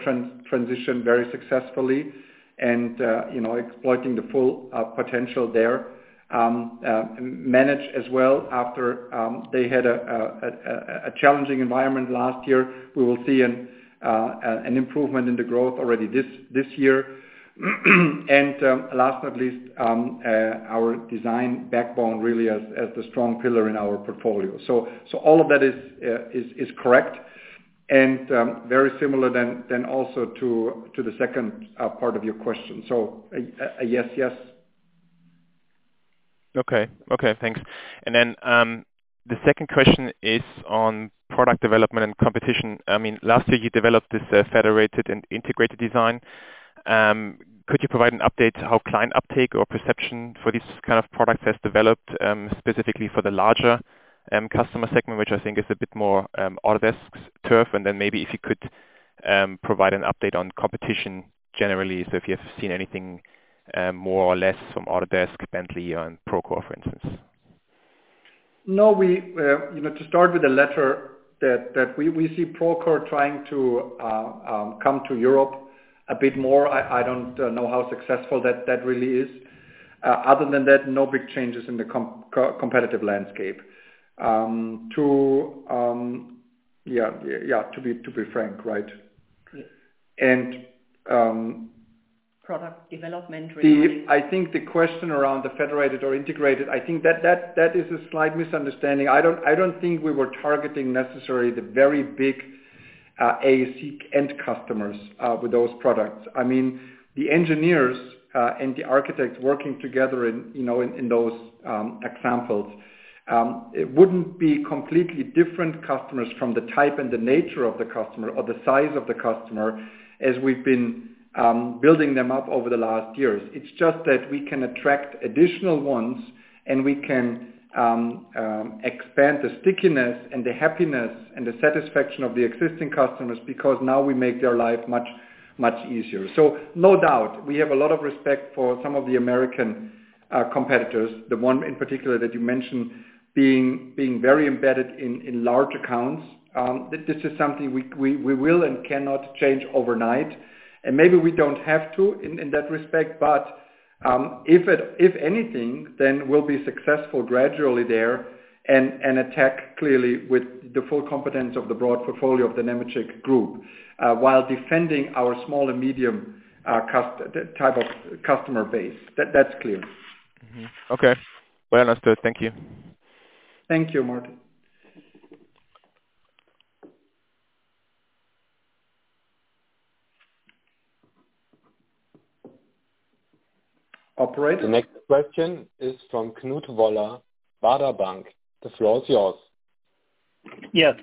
transition very successfully and exploiting the full potential there. Manage as well after, they had a challenging environment last year. We will see an improvement in the growth already this year. Last but not least, our design backbone really as the strong pillar in our portfolio. All of that is correct and very similar then also to the second part of your question. A yes. Okay. Thanks. The second question is on product development and competition. Last year you developed this federated and integrated design. Could you provide an update how client uptake or perception for this kind of product has developed, specifically for the larger customer segment, which I think is a bit more Autodesk's turf? Maybe if you could provide an update on competition generally. If you have seen anything, more or less from Autodesk, Bentley and Procore, for instance. To start with the latter, that we see Procore trying to come to Europe a bit more. I don't know how successful that really is. Other than that, no big changes in the competitive landscape. To be frank, right? Yes. And- Product development really I think the question around the federated or integrated, I think that is a slight misunderstanding. I don't think we were targeting necessarily the very big AEC end customers with those products. The engineers and the architects working together in those examples. It wouldn't be completely different customers from the type and the nature of the customer or the size of the customer as we've been building them up over the last years. It's just that we can attract additional ones and we can expand the stickiness and the happiness and the satisfaction of the existing customers because now we make their life much easier. No doubt, we have a lot of respect for some of the American competitors, the one in particular that you mentioned, being very embedded in large accounts. This is something we will and cannot change overnight. Maybe we don't have to in that respect, but if anything, then we'll be successful gradually there and attack clearly with the full competence of the broad portfolio of the Nemetschek Group, while defending our small and medium type of customer base. That's clear. Mm-hmm. Okay. Well understood. Thank you. Thank you, Martin. Operator? The next question is from Knut Woller, Baader Bank. The floor is yours.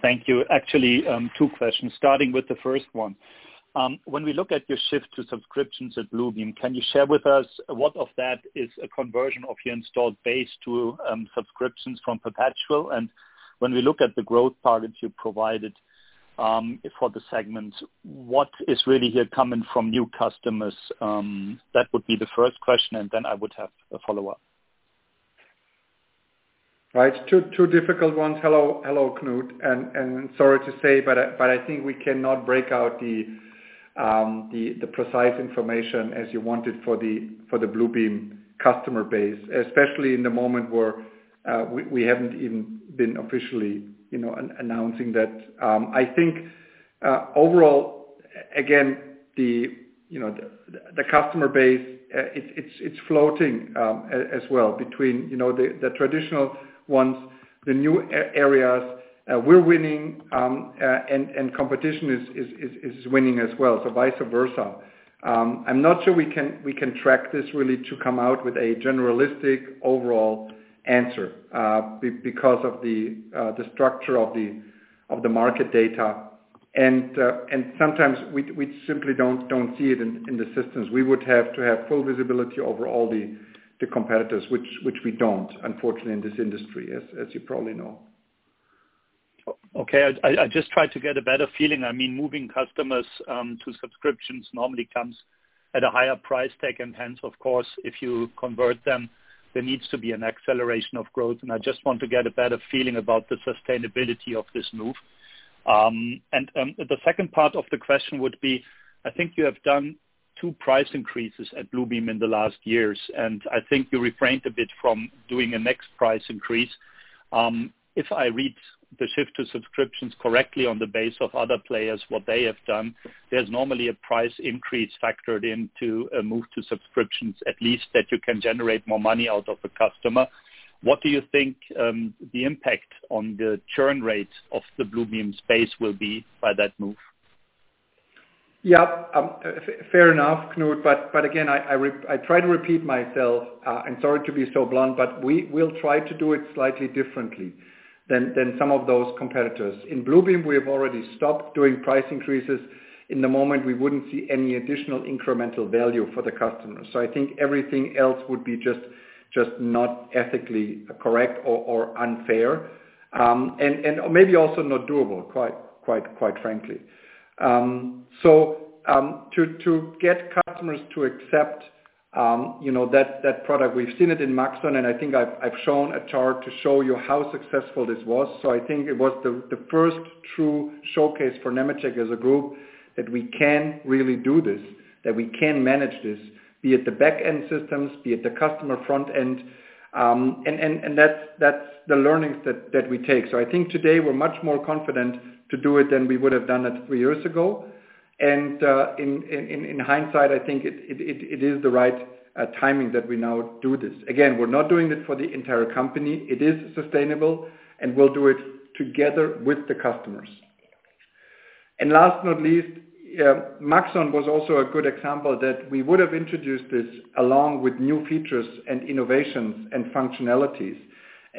Thank you. Actually, two questions. Starting with the first one. When we look at your shift to subscriptions at Bluebeam, can you share with us what of that is a conversion of your installed base to subscriptions from perpetual? When we look at the growth targets you provided for the segments, what is really here coming from new customers? That would be the first question, and then I would have a follow-up. Right. Two difficult ones. Hello, Knut. Sorry to say, but I think we cannot break out the precise information as you wanted for the Bluebeam customer base, especially in the moment where we haven't even been officially announcing that. I think overall, again, the customer base, it's floating as well between the traditional ones, the new areas, we're winning, and competition is winning as well, so vice versa. I'm not sure we can track this really to come out with a generalistic overall answer, because of the structure of the market data. Sometimes we simply don't see it in the systems. We would have to have full visibility over all the competitors, which we don't, unfortunately, in this industry, as you probably know. Okay. I just tried to get a better feeling. Moving customers to subscriptions normally comes at a higher price tag, hence, of course, if you convert them, there needs to be an acceleration of growth. I just want to get a better feeling about the sustainability of this move. The second part of the question would be, I think you have done two price increases at Bluebeam in the last years, and I think you refrained a bit from doing a next price increase. If I read the shift to subscriptions correctly on the base of other players, what they have done, there's normally a price increase factored into a move to subscriptions at least that you can generate more money out of a customer. What do you think the impact on the churn rate of the Bluebeam space will be by that move? Fair enough, Knut. Again, I try to repeat myself. I'm sorry to be so blunt, but we'll try to do it slightly differently than some of those competitors. In Bluebeam, we've already stopped doing price increases. In the moment, we wouldn't see any additional incremental value for the customer. I think everything else would be just not ethically correct or unfair. Maybe also not doable, quite frankly. To get customers to accept that product, we've seen it in Maxon, and I think I've shown a chart to show you how successful this was. I think it was the first true showcase for Nemetschek as a group that we can really do this, that we can manage this, be it the back-end systems, be it the customer front end. That's the learnings that we take. I think today we're much more confident to do it than we would have done it three years ago. In hindsight, I think it is the right timing that we now do this. Again, we're not doing it for the entire company. It is sustainable, and we'll do it together with the customers. Last not least, Maxon was also a good example that we would have introduced this along with new features and innovations and functionalities.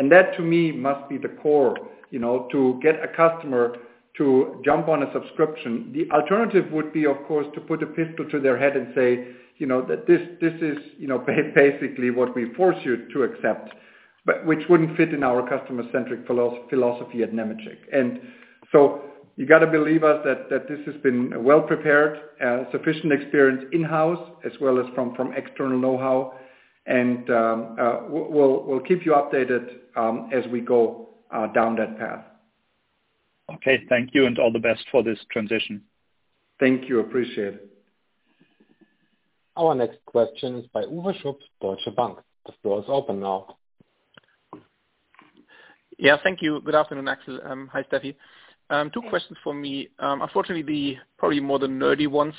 That to me must be the core, to get a customer to jump on a subscription. The alternative would be, of course, to put a pistol to their head and say, that "This is basically what we force you to accept," which wouldn't fit in our customer-centric philosophy at Nemetschek. You got to believe us that this has been well prepared, sufficient experience in-house, as well as from external know-how. We'll keep you updated as we go down that path. Okay. Thank you and all the best for this transition. Thank you. Appreciate it. Our next question is by Uwe Schupp of Deutsche Bank. The floor is open now. Thank you. Good afternoon, Axel. Hi, Steffi. Two questions from me. Unfortunately, probably more than nerdy ones,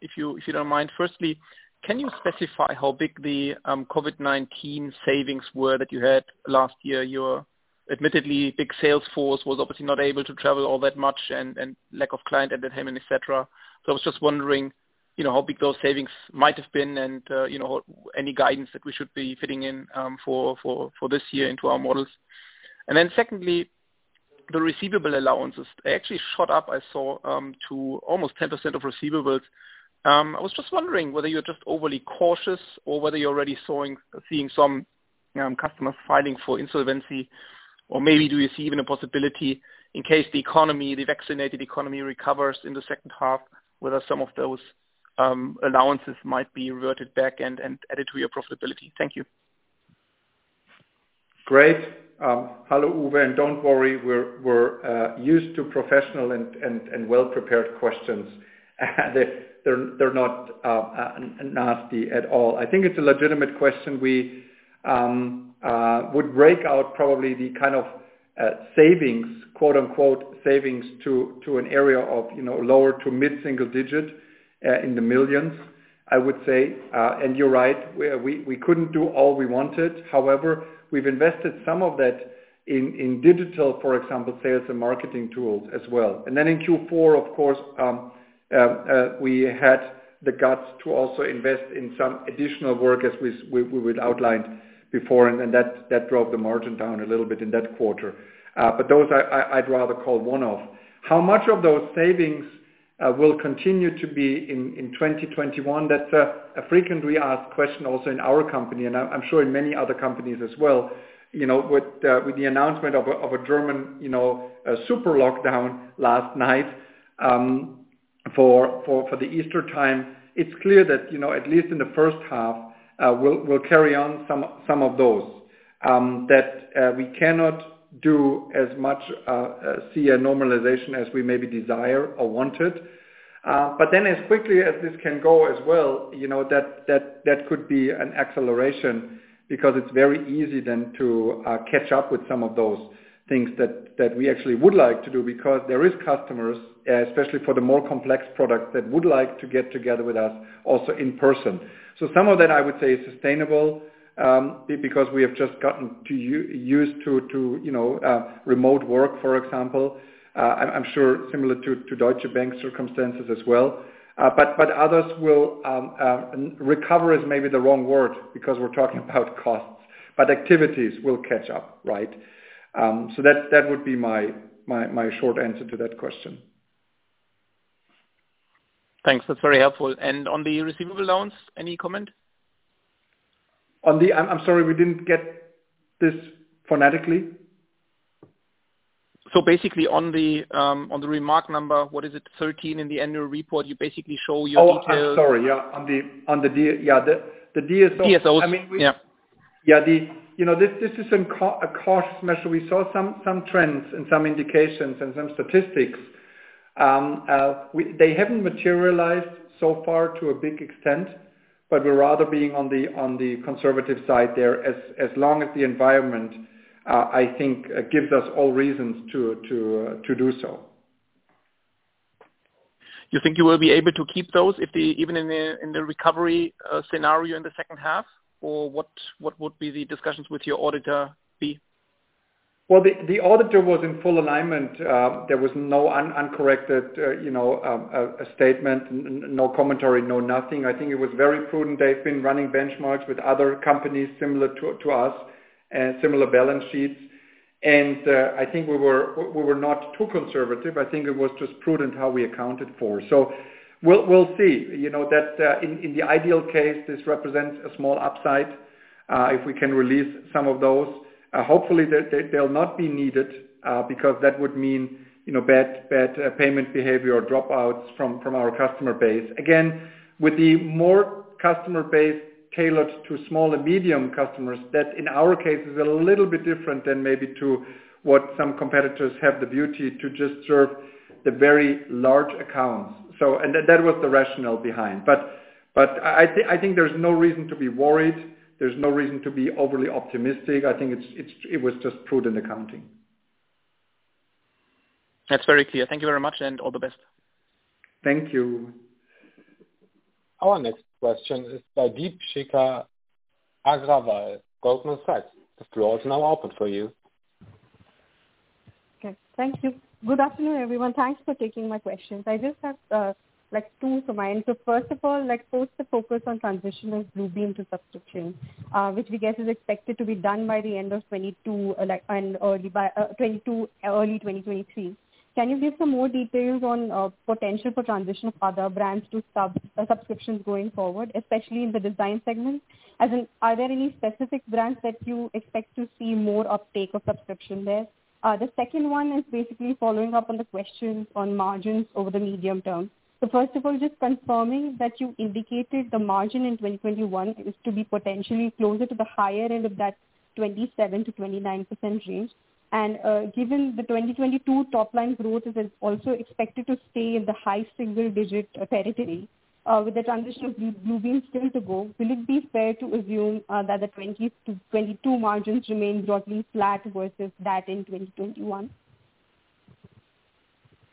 if you don't mind. Firstly, can you specify how big the COVID-19 savings were that you had last year? Your admittedly big sales force was obviously not able to travel all that much, and lack of client entertainment, et cetera. I was just wondering how big those savings might have been and any guidance that we should be fitting in for this year into our models. Secondly, the receivable allowances. They actually shot up, I saw, to almost 10% of receivables. I was just wondering whether you're just overly cautious or whether you're already seeing some customers filing for insolvency. Maybe do you see even a possibility in case the economy, the vaccinated economy, recovers in the second half, whether some of those allowances might be reverted back and added to your profitability? Thank you. Great. Hello, Uwe, and don't worry, we're used to professional and well-prepared questions. They're not nasty at all. I think it's a legitimate question. We would break out probably the kind of savings, quote, unquote, "savings" to an area of lower to mid-single digit, in the millions, I would say. You're right, we couldn't do all we wanted. However, we've invested some of that in digital, for example, sales and marketing tools as well. Then in Q4, of course, we had the guts to also invest in some additional work as we outlined before, and that drove the margin down a little bit in that quarter. Those, I'd rather call one-off. How much of those savings will continue to be in 2021? That's a frequently asked question, also in our company, and I'm sure in many other companies as well. With the announcement of a German super lockdown last night for the Easter time, it's clear that at least in the first half, we'll carry on some of those, that we cannot do as much, see a normalization as we maybe desire or wanted. As quickly as this can go as well, that could be an acceleration because it's very easy then to catch up with some of those things that we actually would like to do because there is customers, especially for the more complex products, that would like to get together with us also in person. Some of that, I would say, is sustainable, because we have just gotten used to remote work, for example. I'm sure similar to Deutsche Bank's circumstances as well. Others will, recover is maybe the wrong word because we're talking about costs, but activities will catch up. That would be my short answer to that question. Thanks. That's very helpful. On the receivable loans, any comment? I'm sorry, we didn't get this phonetically. Basically on the remark number, what is it, 13 in the annual report, you basically show your details. Oh, I'm sorry. Yeah. On the DSOs- DSOs. Yeah. This is a cautious measure. We saw some trends and some indications and some statistics. They haven't materialized so far to a big extent, but we're rather being on the conservative side there, as long as the environment, I think, gives us all reasons to do so. You think you will be able to keep those even in the recovery scenario in the second half, or what would be the discussions with your auditor be? Well, the auditor was in full alignment. There was no uncorrected statement, no commentary, no nothing. I think it was very prudent. They've been running benchmarks with other companies similar to us and similar balance sheets. I think we were not too conservative. I think it was just prudent how we accounted for. We'll see. In the ideal case, this represents a small upside, if we can release some of those. Hopefully they'll not be needed, because that would mean bad payment behavior or dropouts from our customer base. Again, with the more customer base tailored to small and medium customers, that in our case is a little bit different than maybe to what some competitors have the beauty to just serve the very large accounts. That was the rationale behind. I think there's no reason to be worried. There's no reason to be overly optimistic. I think it was just prudent accounting. That's very clear. Thank you very much and all the best. Thank you. Our next question is by Deepshikha Agarwal, Goldman Sachs. The floor is now open for you. Okay, thank you. Good afternoon, everyone. Thanks for taking my questions. I just have two for mine. First of all, post the focus on transition of Bluebeam to subscription, which we guess is expected to be done by the end of early 2023. Can you give some more details on potential for transition of other brands to subscriptions going forward, especially in the design segment? Are there any specific brands that you expect to see more uptake of subscription there? The second one is basically following up on the questions on margins over the medium term. First of all, just confirming that you indicated the margin in 2021 is to be potentially closer to the higher end of that 27%-29% range. Given the 2022 top-line growth is also expected to stay in the high single digit territory, with the transition of Bluebeam still to go, will it be fair to assume that the 2022 margins remain broadly flat versus that in 2021?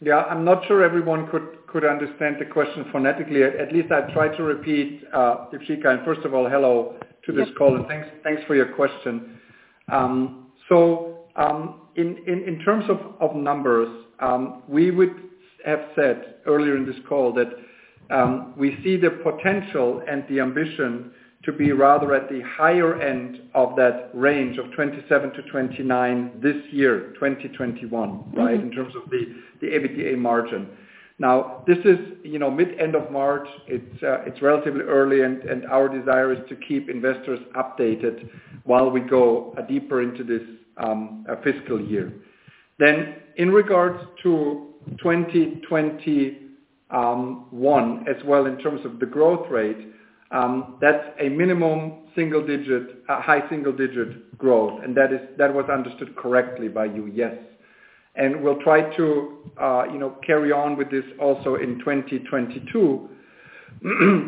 Yeah, I'm not sure everyone could understand the question phonetically. At least I'll try to repeat, Deepshikha. First of all, hello to this call. Yes. Thanks for your question. In terms of numbers, we would have said earlier in this call that we see the potential and the ambition to be rather at the higher end of that range of 27%-29% this year, 2021, right? In terms of the EBITDA margin. This is mid-end of March. It's relatively early, and our desire is to keep investors updated while we go deeper into this fiscal year. In regards to 2021, as well in terms of the growth rate, that's a minimum high single-digit growth. That was understood correctly by you, yes. We'll try to carry on with this also in 2022,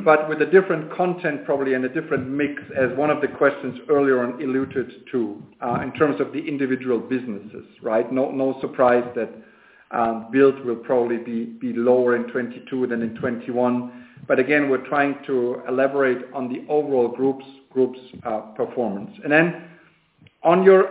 but with a different content probably and a different mix, as one of the questions earlier on alluded to, in terms of the individual businesses, right? No surprise that build will probably be lower in 2022 than in 2021. Again, we're trying to elaborate on the overall group's performance. On your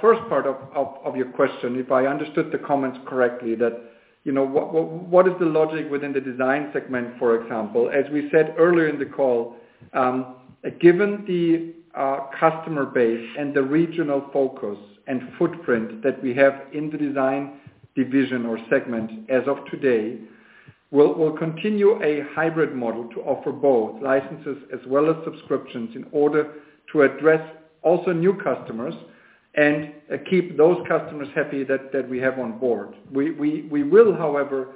first part of your question, if I understood the comments correctly, what is the logic within the design segment, for example? As we said earlier in the call, given the customer base and the regional focus and footprint that we have in the Design Division or segment as of today, we'll continue a hybrid model to offer both licenses as well as subscriptions in order to address also new customers and keep those customers happy that we have on board. We will, however,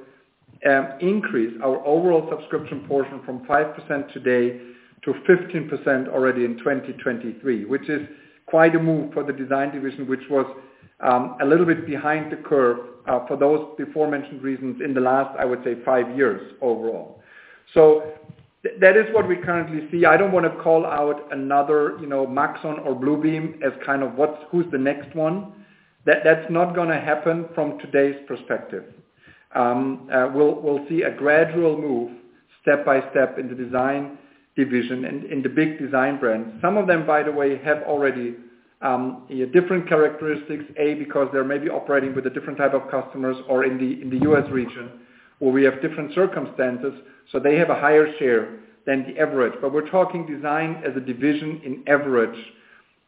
increase our overall subscription portion from 5% today to 15% already in 2023, which is quite a move for the Design Division, which was a little bit behind the curve for those beforementioned reasons in the last, I would say, five years overall. That is what we currently see. I don't want to call out another Maxon or Bluebeam as kind of who's the next one. That's not going to happen from today's perspective. We'll see a gradual move step-by-step in the Design Division and in the design brands. Some of them, by the way, have already different characteristics. Because they're maybe operating with a different type of customers or in the U.S. region where we have different circumstances, so they have a higher share than the average. We're talking design as a division on average.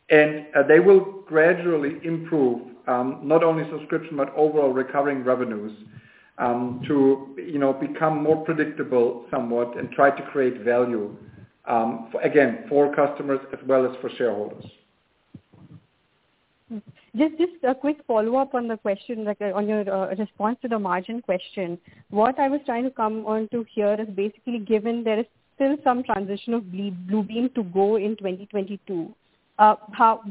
They will gradually improve, not only subscription, but overall recovering revenues, to become more predictable somewhat and try to create value, again, for customers as well as for shareholders. Just a quick follow-up on the question, on your response to the margin question. What I was trying to come onto here is basically given there is still some transition of Bluebeam to go in 2022,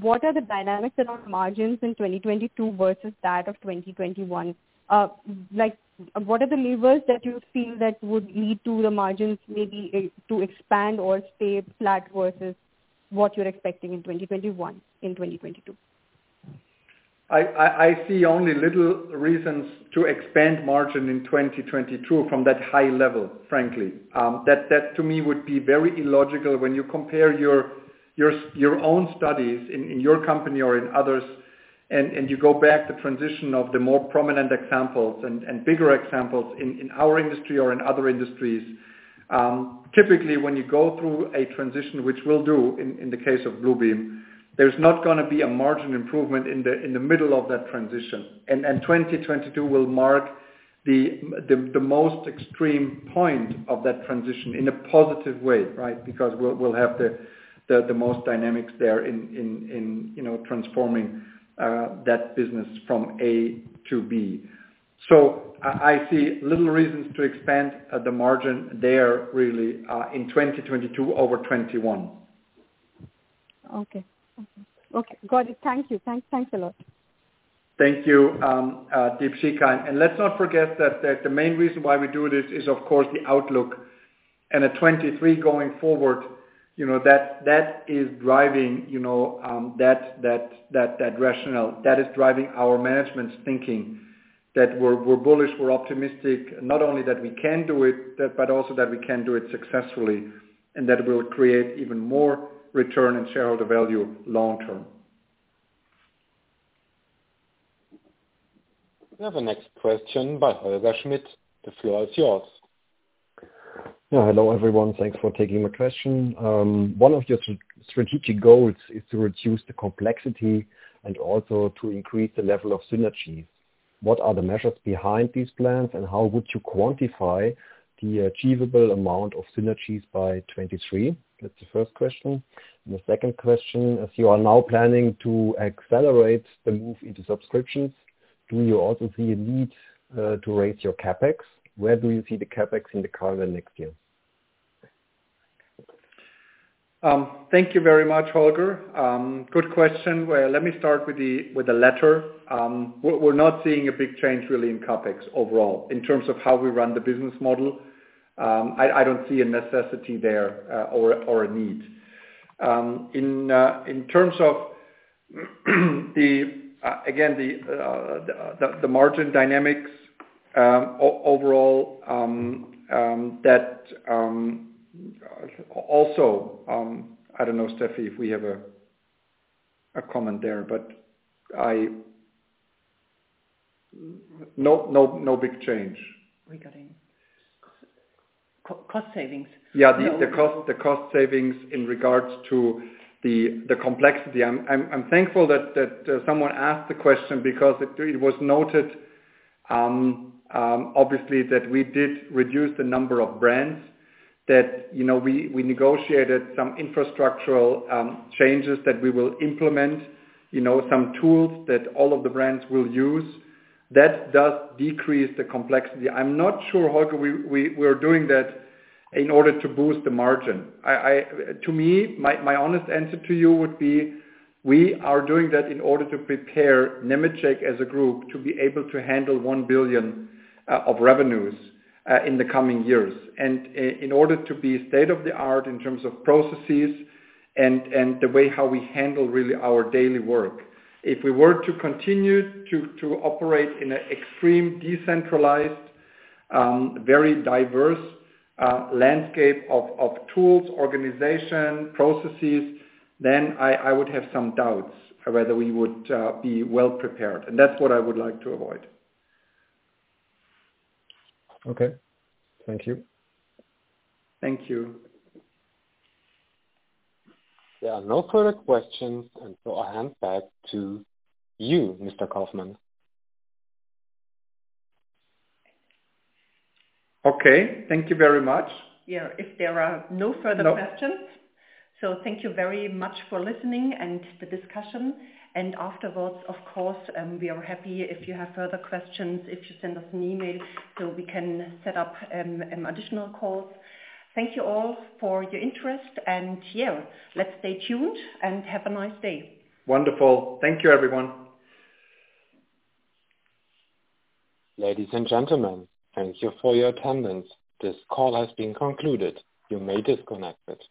what are the dynamics around margins in 2022 versus that of 2021? What are the levers that you feel that would lead to the margins maybe to expand or stay flat versus what you're expecting in 2021, in 2022? I see only little reasons to expand margin in 2022 from that high level, frankly. That to me would be very illogical when you compare your own studies in your company or in others and you go back the transition of the more prominent examples and bigger examples in our industry or in other industries. Typically, when you go through a transition, which we'll do in the case of Bluebeam, there's not going to be a margin improvement in the middle of that transition. 2022 will mark the most extreme point of that transition in a positive way, right? Because we'll have the most dynamics there in transforming that business from A to B. I see little reasons to expand the margin there really, in 2022 over 2021. Okay. Got it. Thank you. Thanks a lot. Thank you, Deepshikha. Let's not forget that the main reason why we do this is of course the outlook and at 2023 going forward, that is driving that rationale. That is driving our management's thinking that we're bullish, we're optimistic, not only that we can do it, but also that we can do it successfully, and that will create even more return and shareholder value long-term. We have the next question by Holger Schmidt. The floor is yours. Yeah, hello, everyone. Thanks for taking my question. One of your strategic goals is to reduce the complexity and also to increase the level of synergies. What are the measures behind these plans, how would you quantify the achievable amount of synergies by 2023? That's the first question. The second question is, you are now planning to accelerate the move into subscriptions. Do you also see a need to raise your CapEx? Where do you see the CapEx in the current and next year? Thank you very much, Holger. Good question. Well, let me start with the latter. We're not seeing a big change really in CapEx overall. In terms of how we run the business model, I don't see a necessity there or a need. In terms of again, the margin dynamics overall, also, I don't know, Steffi, if we have a comment there, but no big change. Regarding cost savings? Yeah. The cost savings in regards to the complexity. I'm thankful that someone asked the question because it was noted, obviously, that we did reduce the number of brands. That we negotiated some infrastructural changes that we will implement, some tools that all of the brands will use. That does decrease the complexity. I'm not sure, Holger, we're doing that in order to boost the margin. To me, my honest answer to you would be, we are doing that in order to prepare Nemetschek as a group to be able to handle 1 billion of revenues, in the coming years. In order to be state-of-the-art in terms of processes and the way how we handle really our daily work. If we were to continue to operate in an extreme, decentralized, very diverse landscape of tools, organization, processes, then I would have some doubts whether we would be well prepared. That's what I would like to avoid. Okay. Thank you. Thank you. There are no further questions, and so I hand back to you, Mr. Kaufmann. Okay. Thank you very much. Yeah. If there are no further questions. No. Thank you very much for listening and the discussion. Afterwards, of course, we are happy if you have further questions, if you send us an email so we can set up additional calls. Thank you all for your interest and let's stay tuned and have a nice day. Wonderful. Thank you everyone. Ladies and gentlemen, thank you for your attendance. This call has been concluded. You may disconnect it.